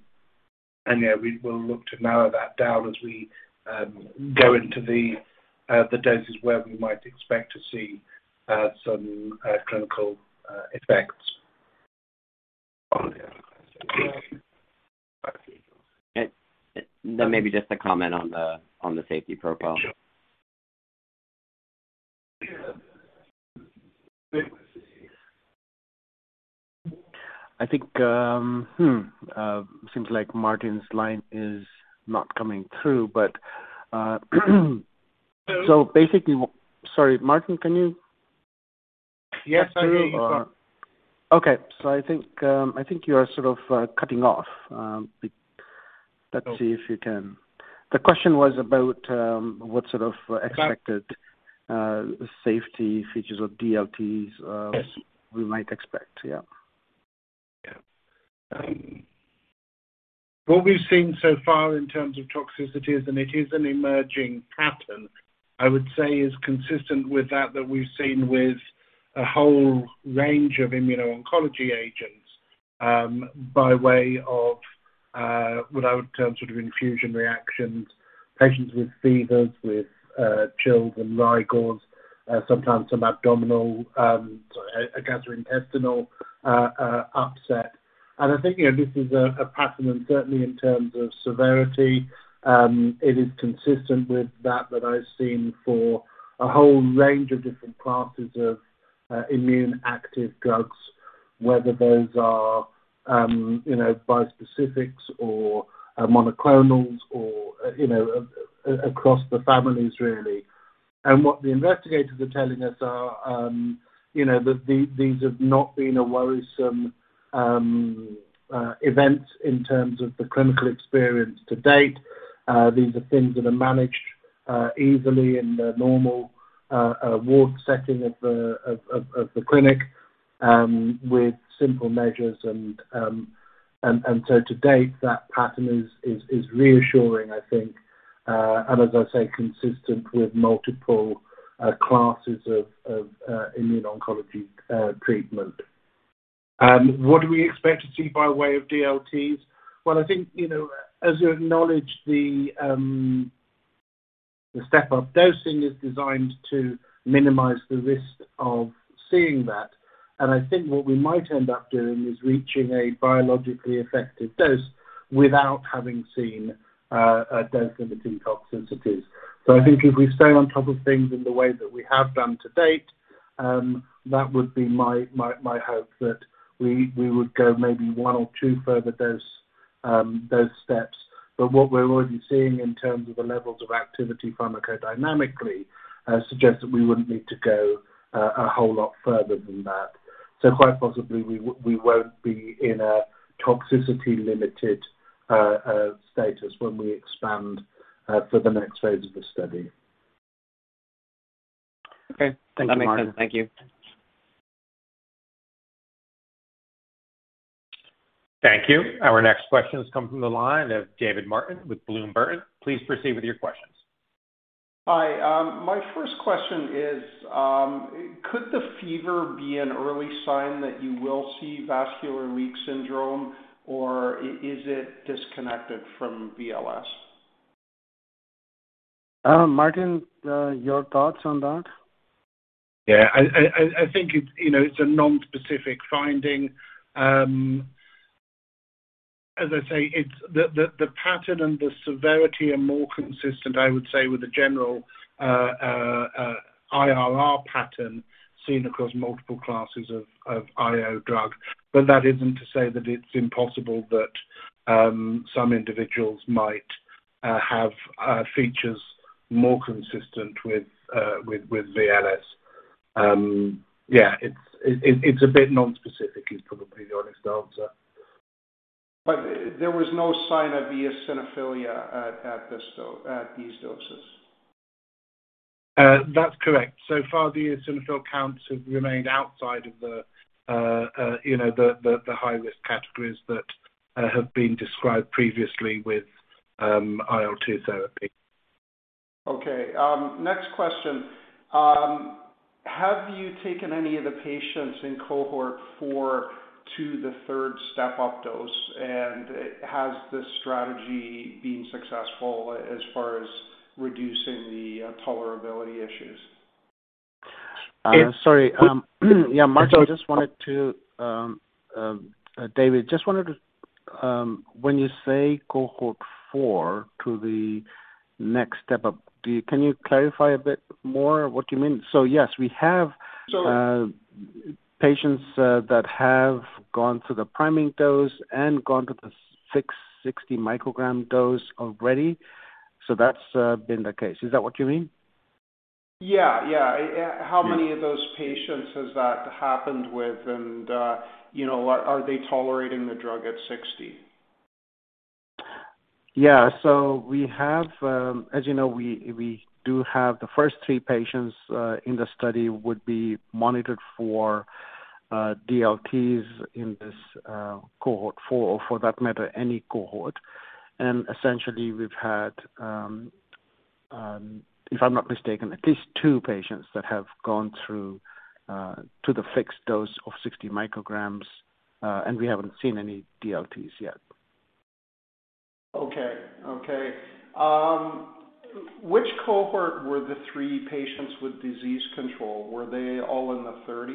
Yeah, we will look to narrow that down as we go into the doses where we might expect to see some clinical effects. Maybe just a comment on the safety profile. Sure. I think seems like Martin's line is not coming through, but, Hello? Sorry, Martin, can you Yes, I hear you fine. Okay. I think you are sort of cutting off. Let's see if you can. The question was about what sort of expected- Okay. safety features of DLTs. Yes. We might expect. Yeah. Yeah. What we've seen so far in terms of toxicities, and it is an emerging pattern, I would say is consistent with that that we've seen with a whole range of immuno-oncology agents, by way of what I would term sort of infusion reactions, patients with fevers, with chills and rigors, sometimes some abdominal, sorry, a gastrointestinal upset. I think, you know, this is a pattern certainly in terms of severity. It is consistent with that that I've seen for a whole range of different classes of immune-active drugs, whether those are, you know, bispecifics or monoclonals or, you know, across the families really. What the investigators are telling us are, you know, that these have not been a worrisome event in terms of the clinical experience to date. These are things that are managed easily in the normal ward setting of the clinic with simple measures and so to date, that pattern is reassuring, I think, and as I say, consistent with multiple classes of immune oncology treatment. What do we expect to see by way of DLTs? Well, I think, you know, as you acknowledge, the step-up dosing is designed to minimize the risk of seeing that. I think what we might end up doing is reaching a biologically effective dose without having seen a dose-limiting toxicities. I think if we stay on top of things in the way that we have done to date, that would be my hope that we would go maybe one or two further dose steps. What we're already seeing in terms of the levels of activity pharmacodynamically suggests that we wouldn't need to go a whole lot further than that. Quite possibly, we won't be in a toxicity limited status when we expand for the next phase of the study. Okay. Thank you, Martin. That makes sense. Thank you. Thank you. Our next question has come from the line of David Martin with Bloomberg. Please proceed with your questions. Hi. My first question is, could the fever be an early sign that you will see vascular leak syndrome or is it disconnected from VLS? Martin, your thoughts on that? Yeah. I think it's, you know, it's a non-specific finding. As I say, it's the pattern and the severity are more consistent, I would say, with a general IRR pattern seen across multiple classes of IO drug. That isn't to say that it's impossible that some individuals might have features more consistent with VLS. Yeah, it's a bit non-specific is probably the honest answer. There was no sign of eosinophilia at these doses? That's correct. So far, the eosinophil counts have remained outside of the, you know, the high-risk categories that have been described previously with IL-2 therapy. Okay. Next question. Have you taken any of the patients in cohort four to the third step-up dose? Has this strategy been successful as far as reducing the tolerability issues? Sorry. Yeah, Martin, I just wanted to. David, just wanted to, when you say cohort 4 to the next step up, can you clarify a bit more what you mean? Yes, we have patients that have gone through the priming dose and gone to the 660 µg dose already. That's been the case. Is that what you mean? Yeah. Yeah. How many of those patients has that happened with? You know, are they tolerating the drug at 60? Yeah. We have, as you know, we do have the first eight patients in the study would be monitored for DLTs in this cohort 4, or for that matter, any cohort. Essentially, we've had, if I'm not mistaken, at least two patients that have gone through to the fixed dose of 60 µg, and we haven't seen any DLTs yet. Okay. Which cohort were the three patients with disease control? Were they all in the 30?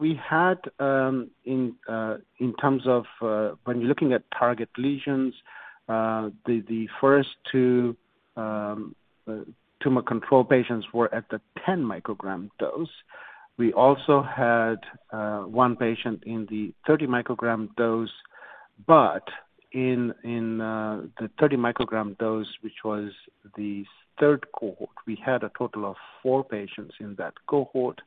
We had in terms of when looking at target lesions, the first two tumor control patients were at the 10 µg dose. We also had one patient in the 30 µg dose, but in the 30 µg dose, which was the third cohort, we had a total of four patients in that cohort.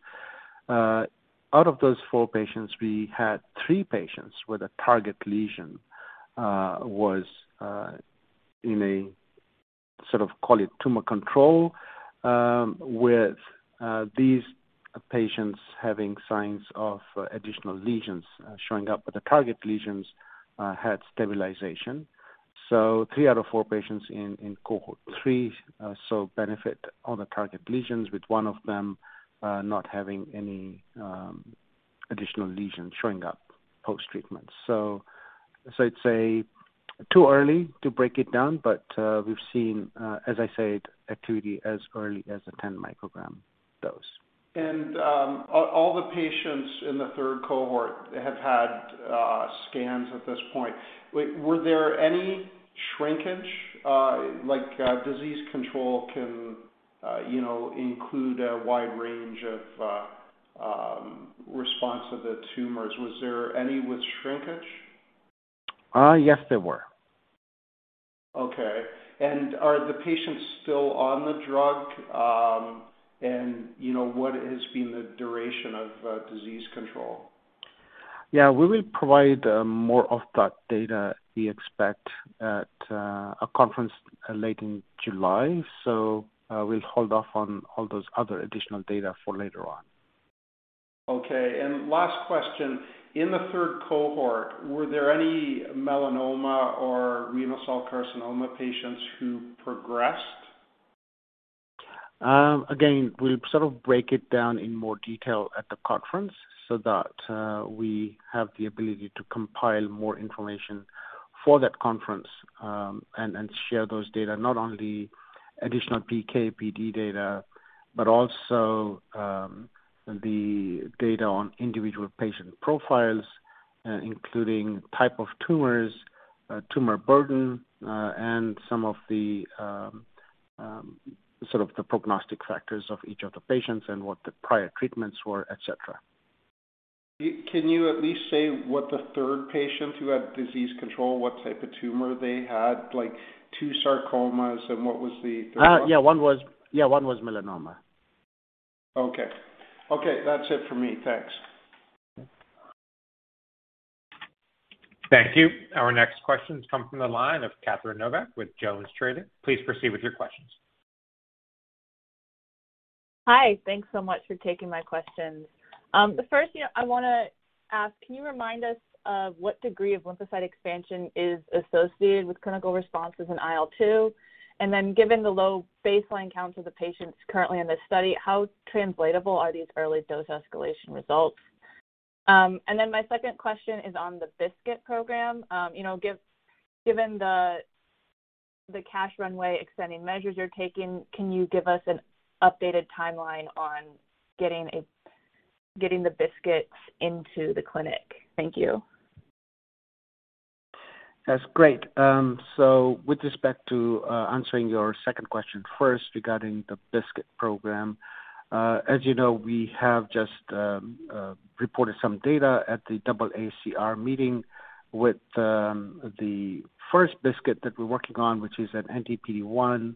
Out of those four patients, we had three patients where the target lesion was in a sort of call it tumor control, with these patients having signs of additional lesions showing up, but the target lesions had stabilization. Three out of four patients in cohort 3 saw benefit on the target lesions, with one of them not having any additional lesions showing up post-treatment. I'd say too early to break it down, but we've seen, as I said, activity as early as the 10 µg dose. All the patients in the third cohort have had scans at this point. Were there any shrinkage, like, disease control can, you know, include a wide range of response of the tumors. Was there any with shrinkage? Yes, there were. Okay. Are the patients still on the drug? You know, what has been the duration of disease control? Yeah. We will provide more of that data, we expect at a conference late in July. We'll hold off on all those other additional data for later on. Okay. Last question. In the third cohort, were there any melanoma or renal cell carcinoma patients who progressed? Again, we'll sort of break it down in more detail at the conference so that we have the ability to compile more information for that conference, and share those data, not only additional PK/PD data, but also the data on individual patient profiles, including type of tumors, tumor burden, and some of the sort of prognostic factors of each of the patients and what the prior treatments were, et cetera. Can you at least say what the third patient who had disease control, what type of tumor they had, like two sarcomas, and what was the third one? Yeah, one was melanoma. Okay. Okay, that's it for me. Thanks. Okay. Thank you. Our next question comes from the line of Catherine Novack with JonesTrading. Please proceed with your questions. Hi. Thanks so much for taking my questions. The first thing I wanna ask, can you remind us of what degree of lymphocyte expansion is associated with clinical responses in IL-2? Given the low baseline count of the patients currently in this study, how translatable are these early dose escalation results? My second question is on the BiSKITs™ program. You know, given the cash runway extending measures you're taking, can you give us an updated timeline on getting the BiSKITs™ into the clinic? Thank you. That's great. With respect to answering your second question first regarding the BiSKITs program, as you know, we have just reported some data at the AACR meeting with the first BiSKITs that we're working on, which is an NTPDase1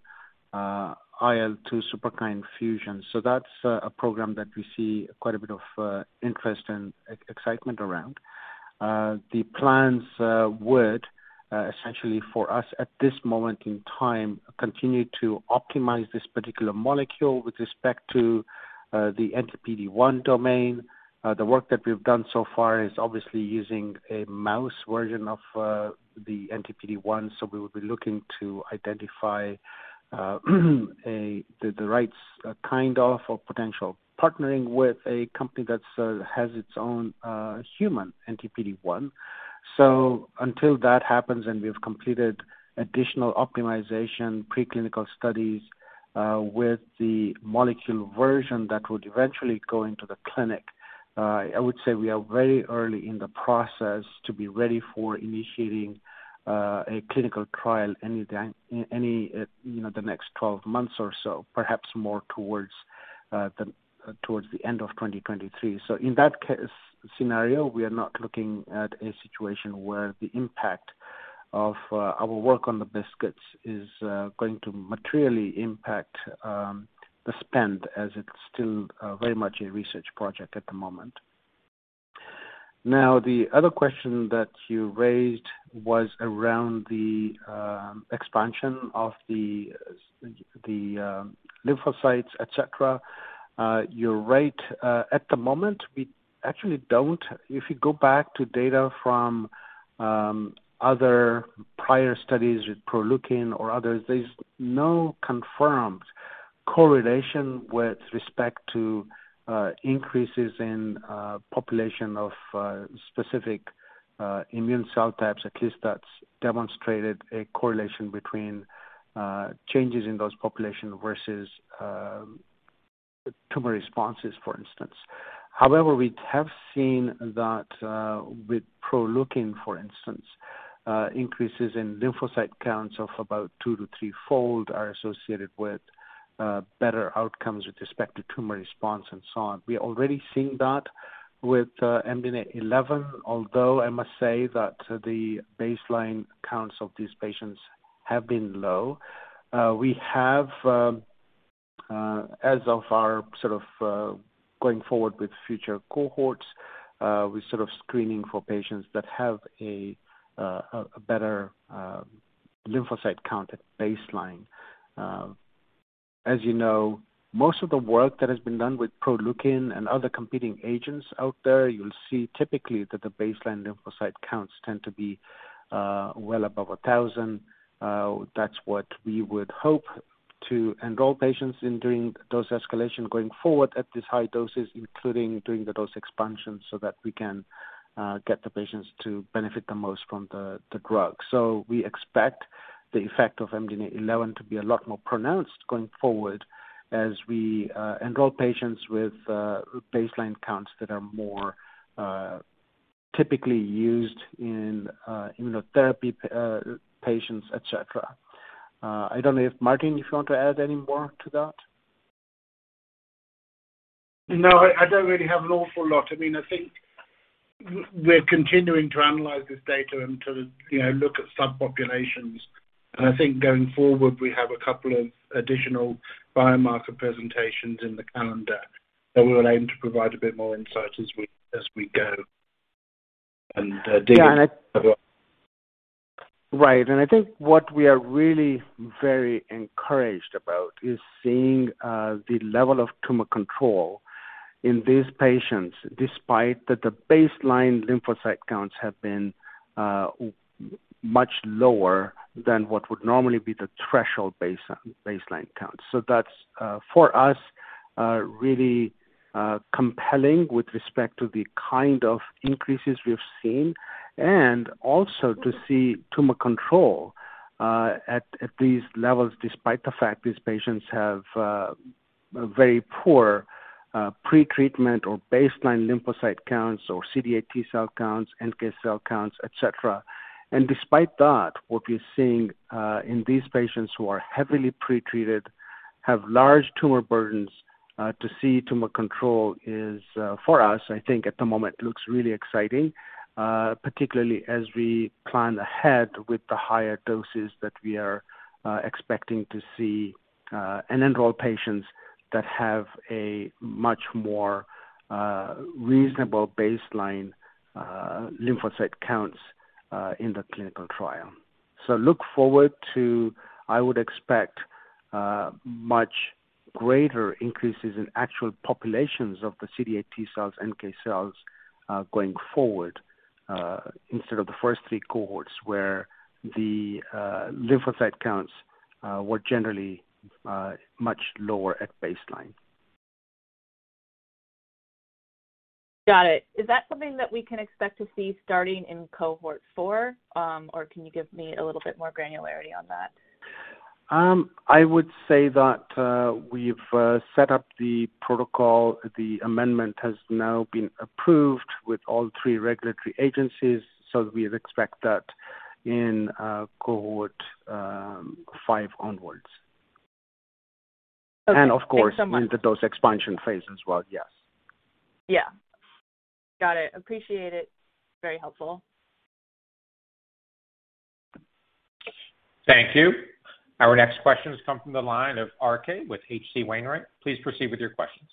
IL-2 Superkine fusion. That's a program that we see quite a bit of interest and excitement around. The plans would essentially for us at this moment in time continue to optimize this particular molecule with respect to the NTPDase1 domain. The work that we've done so far is obviously using a mouse version of the NTPDase1. We will be looking to identify the right kind of or potential partnering with a company that has its own human NTPDase1. Until that happens and we've completed additional optimization preclinical studies with the molecule version that would eventually go into the clinic, I would say we are very early in the process to be ready for initiating a clinical trial any time, you know, the next 12 months or so, perhaps more towards the towards the end of 2023. In that scenario, we are not looking at a situation where the impact of our work on the BiSKITs is going to materially impact the spend as it's still very much a research project at the moment. Now, the other question that you raised was around the expansion of the the lymphocytes, et cetera. You're right. At the moment, we actually don't. If you go back to data from other prior studies with Proleukin or others, there's no confirmed correlation with respect to increases in population of specific immune cell types. At least that's demonstrated a correlation between changes in those population versus tumor responses, for instance. However, we have seen that with Proleukin, for instance, increases in lymphocyte counts of about two to three-fold are associated with better outcomes with respect to tumor response and so on. We're already seeing that with MDNA11, although I must say that the baseline counts of these patients have been low. We have as of our sort of going forward with future cohorts, we're sort of screening for patients that have a better lymphocyte count at baseline. As you know, most of the work that has been done with Proleukin and other competing agents out there, you'll see typically that the baseline lymphocyte counts tend to be well above 1,000. That's what we would hope to enroll patients in doing dose escalation going forward at these high doses, including doing the dose expansion so that we can get the patients to benefit the most from the drug. We expect the effect of MDNA11 to be a lot more pronounced going forward as we enroll patients with baseline counts that are more typically used in immunotherapy patients, etc. I don't know if Martin, if you want to add any more to that. No, I don't really have an awful lot. I mean, I think we're continuing to analyze this data and to, you know, look at subpopulations. I think going forward, we have a couple of additional biomarker presentations in the calendar that we'll aim to provide a bit more insight as we go. David- Right. I think what we are really very encouraged about is seeing the level of tumor control in these patients, despite that the baseline lymphocyte counts have been much lower than what would normally be the threshold baseline count. That's for us really compelling with respect to the kind of increases we've seen, and also to see tumor control at these levels, despite the fact these patients have very poor pretreatment or baseline lymphocyte counts or CD8 T-cell counts, NK cell counts, etc. Despite that, what we're seeing in these patients who are heavily pretreated, have large tumor burdens, to see tumor control is, for us, I think at the moment, looks really exciting, particularly as we plan ahead with the higher doses that we are expecting to see, and enroll patients that have a much more reasonable baseline lymphocyte counts in the clinical trial. Look forward to. I would expect much greater increases in actual populations of the CD8 T-cells, NK cells going forward, instead of the first three cohorts where the lymphocyte counts were generally much lower at baseline. Got it. Is that something that we can expect to see starting in cohort four, or can you give me a little bit more granularity on that? I would say that we've set up the protocol. The amendment has now been approved with all three regulatory agencies. We would expect that in cohort five onwards. Okay. Of course, when the dose expansion phase as well. Yes. Yeah. Got it. Appreciate it. Very helpful. Thank you. Our next question has come from the line of RK with H.C. Wainwright. Please proceed with your questions.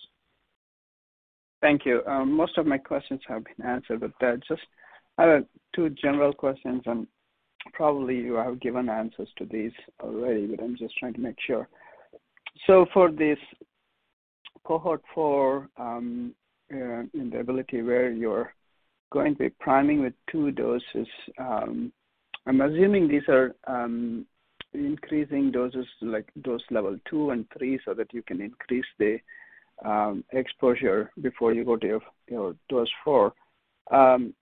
Thank you. Most of my questions have been answered, but just I have two general questions and probably you have given answers to these already, but I'm just trying to make sure. For this Cohort 4 in the ABILITY where you're going to be priming with two doses, I'm assuming these are increasing doses like dose level two and three so that you can increase the exposure before you go to your dose four. Is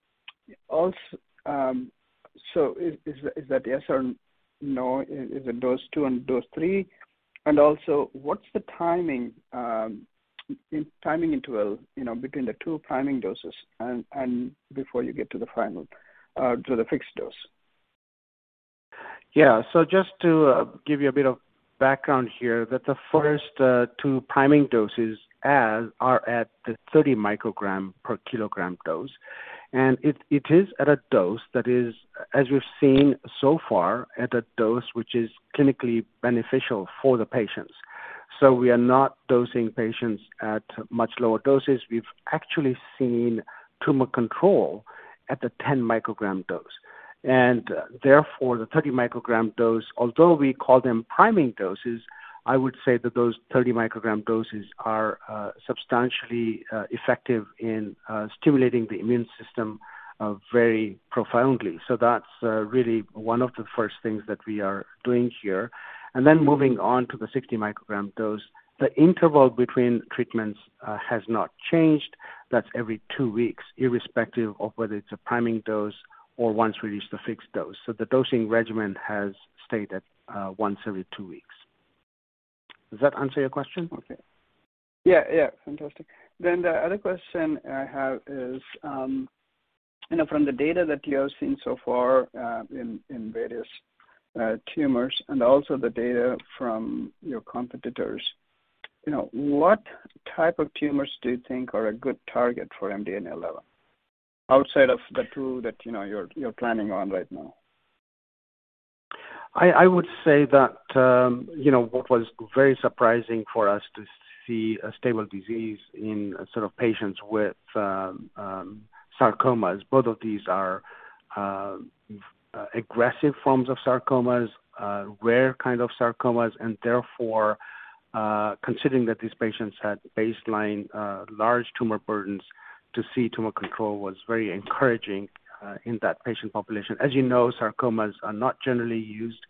that yes or no? Is it dose two and dose three? Also what's the timing in timing interval, you know, between the two priming doses and before you get to the final to the fixed dose? Yeah. Just to give you a bit of background here, the first two priming doses are at the 30 µg per kilogram dose, and it is at a dose that is, as we've seen so far, clinically beneficial for the patients. We are not dosing patients at much lower doses. We've actually seen tumor control at the 10 µg dose. Therefore, the 30 µg dose, although we call them priming doses, I would say that those 30 µg doses are substantially effective in stimulating the immune system very profoundly. That's really one of the first things that we are doing here. Then moving on to the 60 µg dose. The interval between treatments has not changed. That's every two weeks, irrespective of whether it's a priming dose or once we reach the fixed dose. The dosing regimen has stayed at once every two weeks. Does that answer your question? The other question I have is, you know, from the data that you have seen so far, in various tumors and also the data from your competitors, you know, what type of tumors do you think are a good target for MDNA11 outside of the two that, you know, you're planning on right now? I would say that, you know, what was very surprising for us to see a stable disease in sort of patients with sarcomas. Both of these are aggressive forms of sarcomas, rare kind of sarcomas, and therefore, considering that these patients had baseline large tumor burdens, to see tumor control was very encouraging in that patient population. As you know, sarcomas are not generally used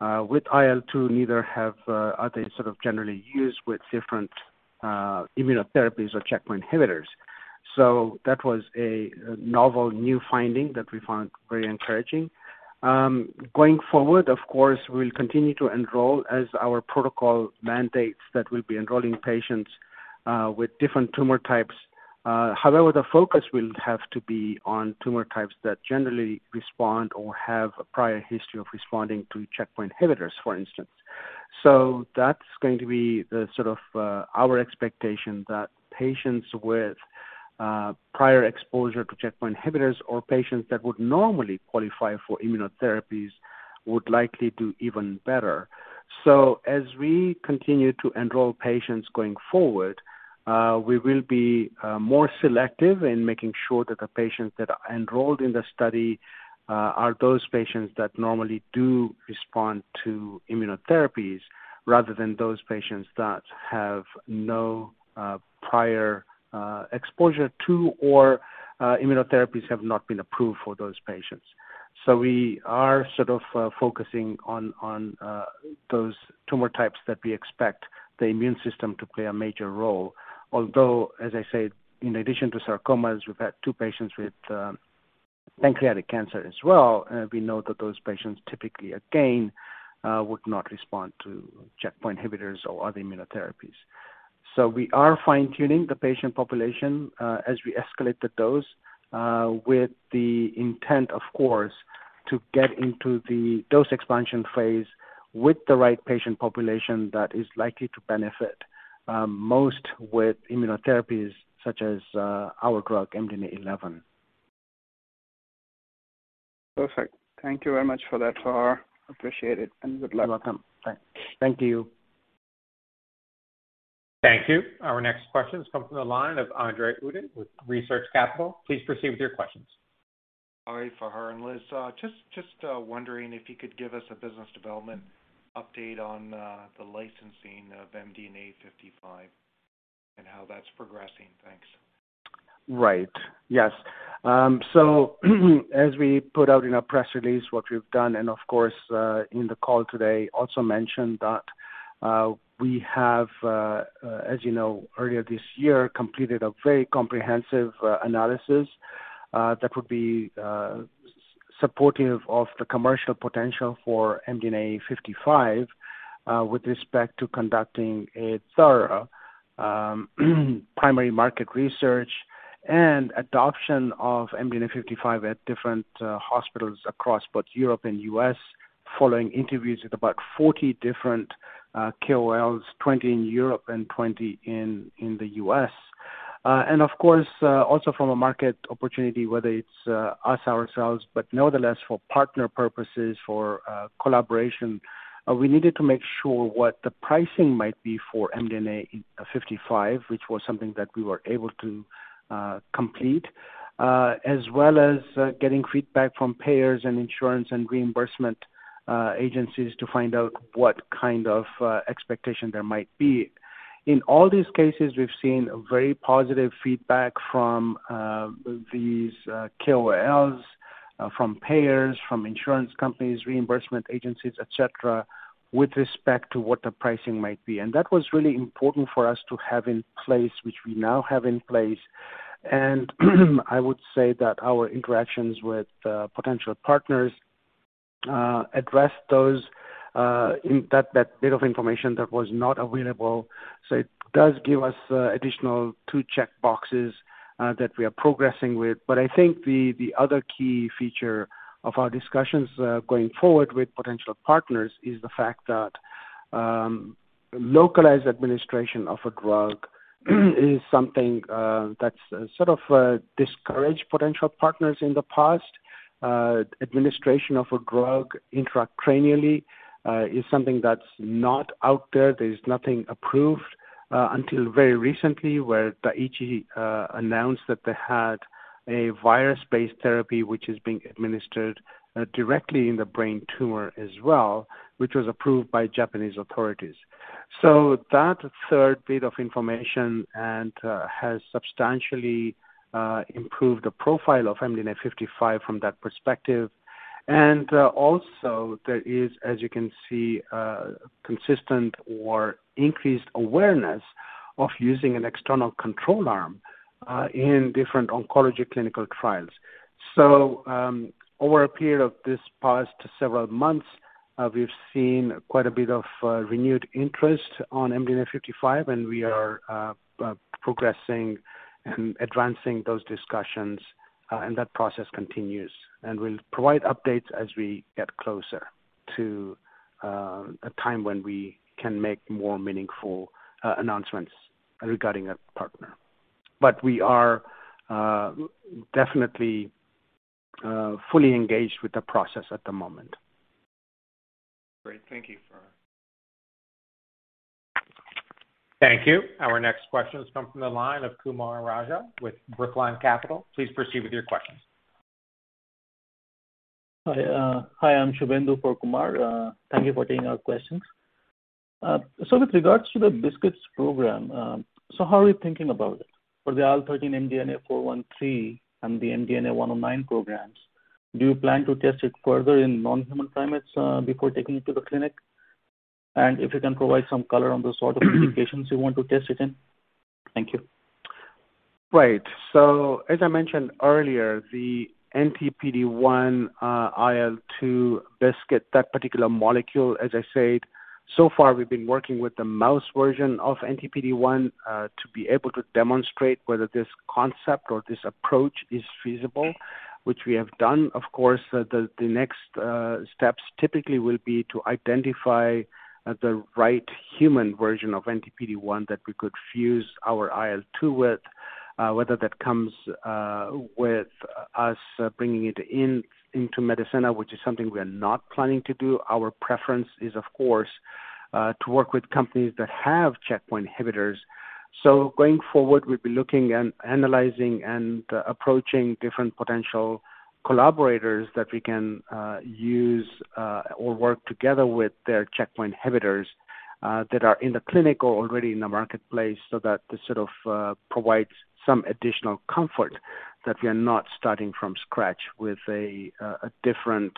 with IL-2, neither have are they sort of generally used with different immunotherapies or checkpoint inhibitors. That was a novel new finding that we found very encouraging. Going forward, of course, we'll continue to enroll as our protocol mandates that we'll be enrolling patients with different tumor types. However, the focus will have to be on tumor types that generally respond or have a prior history of responding to checkpoint inhibitors, for instance. That's going to be the sort of, our expectation that patients with, prior exposure to checkpoint inhibitors or patients that would normally qualify for immunotherapies would likely do even better. As we continue to enroll patients going forward, we will be, more selective in making sure that the patients that are enrolled in the study, are those patients that normally do respond to immunotherapies rather than those patients that have no, prior, exposure to or, immunotherapies have not been approved for those patients. We are sort of, focusing on, those tumor types that we expect the immune system to play a major role. Although, as I said, in addition to sarcomas, we've had two patients with pancreatic cancer as well. We know that those patients typically again would not respond to checkpoint inhibitors or other immunotherapies. We are fine-tuning the patient population as we escalate the dose with the intent, of course, to get into the dose expansion phase with the right patient population that is likely to benefit most with immunotherapies such as our drug MDNA11. Perfect. Thank you very much for that, Fahar. Appreciate it, and good luck. You're welcome. Thank you. Thank you. Our next question comes from the line of André Uddin with Research Capital. Please proceed with your questions. Hi, Fahar and Liz. Just wondering if you could give us a business development update on the licensing of MDNA55 and how that's progressing. Thanks. Right. Yes. As we put out in our press release, what we've done and of course in the call today also mentioned that we have, as you know, earlier this year, completed a very comprehensive analysis that would be supportive of the commercial potential for MDNA55 with respect to conducting a thorough primary market research and adoption of MDNA55 at different hospitals across both Europe and U.S. following interviews with about 40 different KOLs, 20 in Europe and 20 in the U.S. Of course, also from a market opportunity, whether it's us, ourselves, but nonetheless for partner purposes, for collaboration, we needed to make sure what the pricing might be for MDNA55, which was something that we were able to complete, as well as getting feedback from payers and insurance and reimbursement agencies to find out what kind of expectation there might be. In all these cases, we've seen a very positive feedback from these KOLs, from payers, from insurance companies, reimbursement agencies, et cetera, with respect to what the pricing might be. That was really important for us to have in place, which we now have in place. I would say that our interactions with potential partners address those in that bit of information that was not available. It does give us additional 2 checkboxes that we are progressing with. I think the other key feature of our discussions going forward with potential partners is the fact that localized administration of a drug is something that's sort of discouraged potential partners in the past. Administration of a drug intracranially is something that's not out there. There's nothing approved until very recently, where Daiichi Sankyo announced that they had a virus-based therapy which is being administered directly in the brain tumor as well, which was approved by Japanese authorities. That third bit of information and has substantially improved the profile of MDNA55 from that perspective. Also there is, as you can see, consistent or increased awareness of using an external control arm in different oncology clinical trials. Over a period of this past several months, we've seen quite a bit of renewed interest on MDNA55, and we are progressing and advancing those discussions, and that process continues. We'll provide updates as we get closer to a time when we can make more meaningful announcements regarding a partner. We are definitely fully engaged with the process at the moment. Great. Thank you. Thank you. Our next question has come from the line of Kumaraguru Raja with Brookline Capital Markets. Please proceed with your questions. Hi. Hi, I'm Shubhendu Roy for Kumar Raja. Thank you for taking our questions. With regards to the BiSKITs program, how are you thinking about it? For the IL-13 MDNA413 and the MDNA109 programs, do you plan to test it further in non-human primates before taking it to the clinic? If you can provide some color on the sort of indications you want to test it in. Thank you. Right. As I mentioned earlier, the NTPDase1 IL-2 BiSKIT, that particular molecule, as I said, so far we've been working with the mouse version of NTPDase1 to be able to demonstrate whether this concept or this approach is feasible, which we have done. Of course, the next steps typically will be to identify the right human version of NTPDase1 that we could fuse our IL-2 with. Whether that comes with us bringing it into Medicenna, which is something we are not planning to do. Our preference is, of course, to work with companies that have checkpoint inhibitors. Going forward, we'll be looking at analyzing and approaching different potential collaborators that we can use or work together with their checkpoint inhibitors that are in the clinic or already in the marketplace so that this sort of provides some additional comfort that we are not starting from scratch with a different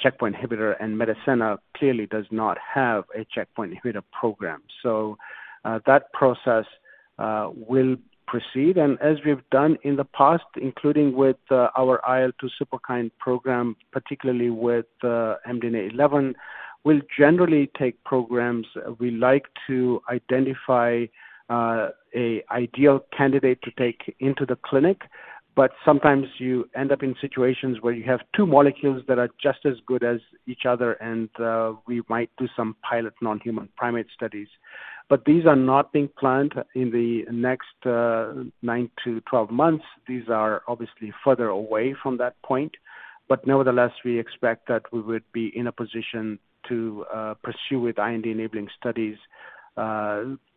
checkpoint inhibitor. Medicenna clearly does not have a checkpoint inhibitor program. That process will proceed. As we've done in the past, including with our IL-2 Superkine program, particularly with MDNA11, we'll generally take programs. We like to identify a ideal candidate to take into the clinic, but sometimes you end up in situations where you have two molecules that are just as good as each other and we might do some pilot non-human primate studies. These are not being planned in the next 9-12 months. These are obviously further away from that point. Nevertheless, we expect that we would be in a position to pursue with IND-enabling studies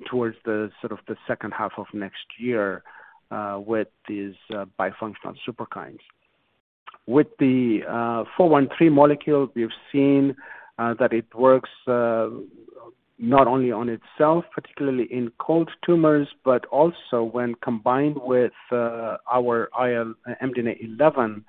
towards the sort of the second half of next year with these bifunctional superkines. With the 413 molecule, we've seen that it works not only on itself, particularly in cold tumors, but also when combined with our MDNA11,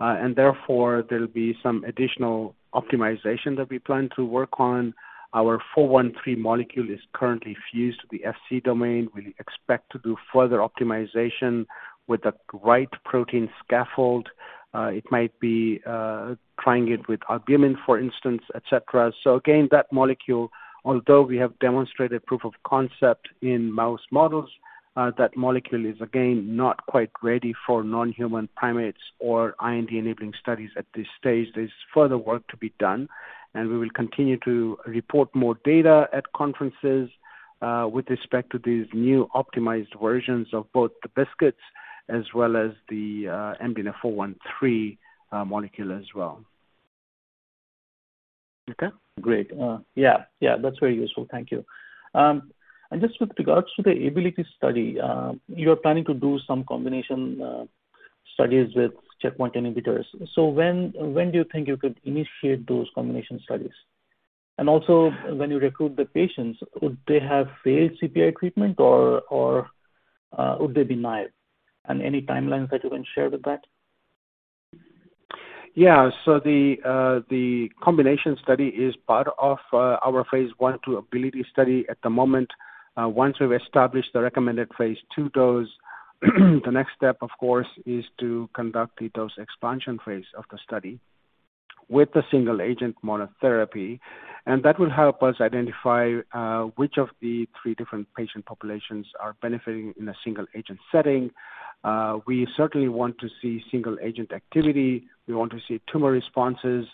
and therefore there'll be some additional optimization that we plan to work on. Our 413 molecule is currently fused to the Fc domain. We expect to do further optimization with the right protein scaffold. It might be trying it with albumin, for instance, et cetera. Again, that molecule, although we have demonstrated proof of concept in mouse models, that molecule is again not quite ready for non-human primates or IND-enabling studies at this stage. There's further work to be done, and we will continue to report more data at conferences, with respect to these new optimized versions of both the BiSKITs as well as the MDNA413 molecule as well. Okay. Great. Yeah. Yeah, that's very useful. Thank you. Just with regards to the ABILITY study, you are planning to do some combination studies with checkpoint inhibitors. When do you think you could initiate those combination studies? Also, when you recruit the patients, would they have failed CPI treatment or would they be naive? Any timelines that you can share with that? Yeah. The combination study is part of our phase I/II ABILITY study at the moment. Once we've established the recommended phase II dose, the next step, of course, is to conduct the dose expansion phase of the study with the single-agent monotherapy. That will help us identify which of the three different patient populations are benefiting in a single-agent setting. We certainly want to see single-agent activity. We want to see tumor responses.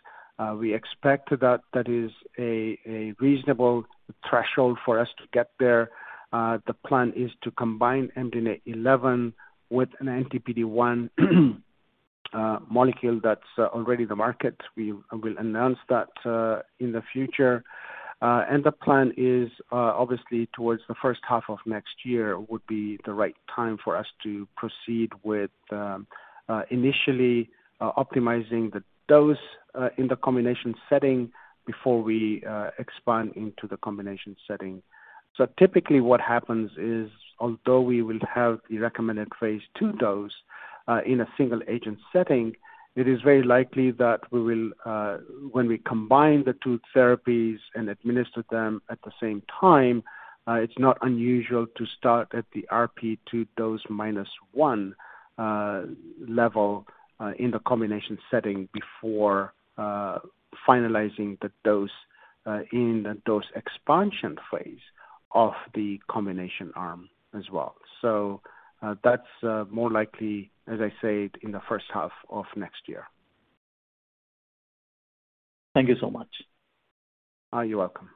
We expect that is a reasonable threshold for us to get there. The plan is to combine MDNA11 with an NTPDase1 molecule that's already in the market. We will announce that in the future. The plan is, obviously, toward the first half of next year would be the right time for us to proceed with initially optimizing the dose in the combination setting before we expand into the combination setting. Typically what happens is, although we will have the recommended phase II dose in a single-agent setting, it is very likely that we will, when we combine the two therapies and administer them at the same time, it's not unusual to start at the RP2 dose minus one level in the combination setting before finalizing the dose in the dose expansion phase of the combination arm as well. That's more likely, as I said, in the first half of next year. Thank you so much. You're welcome.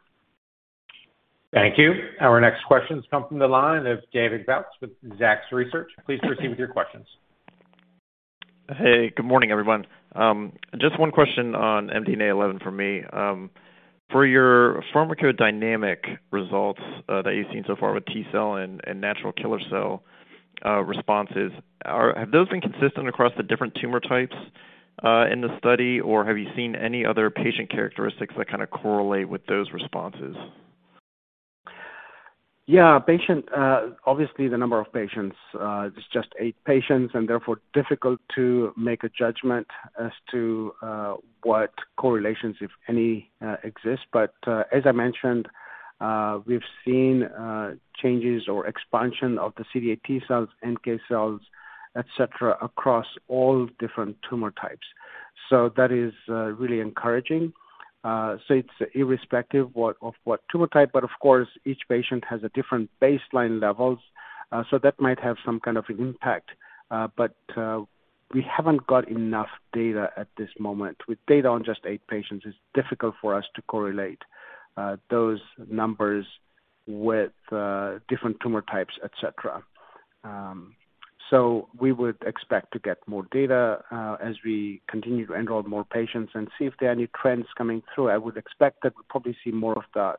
Thank you. Our next question comes from the line of David Bautz with Zacks Research. Please proceed with your questions. Hey, good morning, everyone. Just one question on MDNA11 for me. For your pharmacodynamic results that you've seen so far with T cell and natural killer cell responses, have those been consistent across the different tumor types in the study, or have you seen any other patient characteristics that kinda correlate with those responses? Obviously the number of patients, it's just eight patients and therefore difficult to make a judgment as to what correlations, if any, exist. As I mentioned, we've seen changes or expansion of the CD8 T cells, NK cells, et cetera, across all different tumor types. That is really encouraging. It's irrespective of what tumor type, but of course, each patient has a different baseline levels, so that might have some kind of impact. We haven't got enough data at this moment. With data on just eight patients, it's difficult for us to correlate those numbers with different tumor types, et cetera. We would expect to get more data as we continue to enroll more patients and see if there are any trends coming through. I would expect that we'll probably see more of that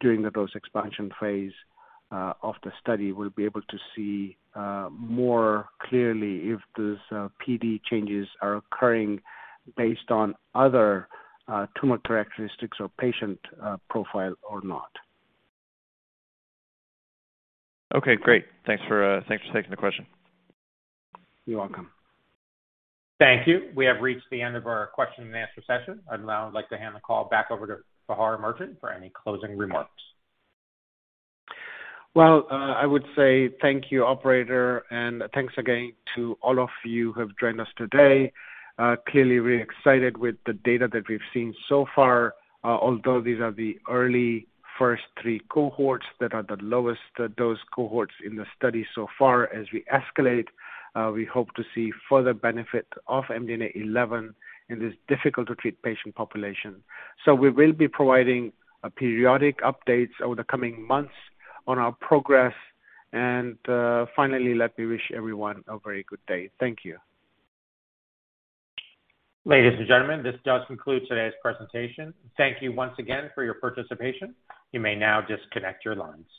during the dose expansion phase of the study. We'll be able to see more clearly if these PD changes are occurring based on other tumor characteristics or patient profile or not. Okay, great. Thanks for taking the question. You're welcome. Thank you. We have reached the end of our question and answer session. I'd now like to hand the call back over to Fahar Merchant for any closing remarks. Well, I would say thank you, operator, and thanks again to all of you who have joined us today. Clearly we're excited with the data that we've seen so far, although these are the early first three cohorts that are the lowest dose cohorts in the study so far. As we escalate, we hope to see further benefit of MDNA11 in this difficult to treat patient population. We will be providing periodic updates over the coming months on our progress. Finally, let me wish everyone a very good day. Thank you. Ladies and gentlemen, this does conclude today's presentation. Thank you once again for your participation. You may now disconnect your lines.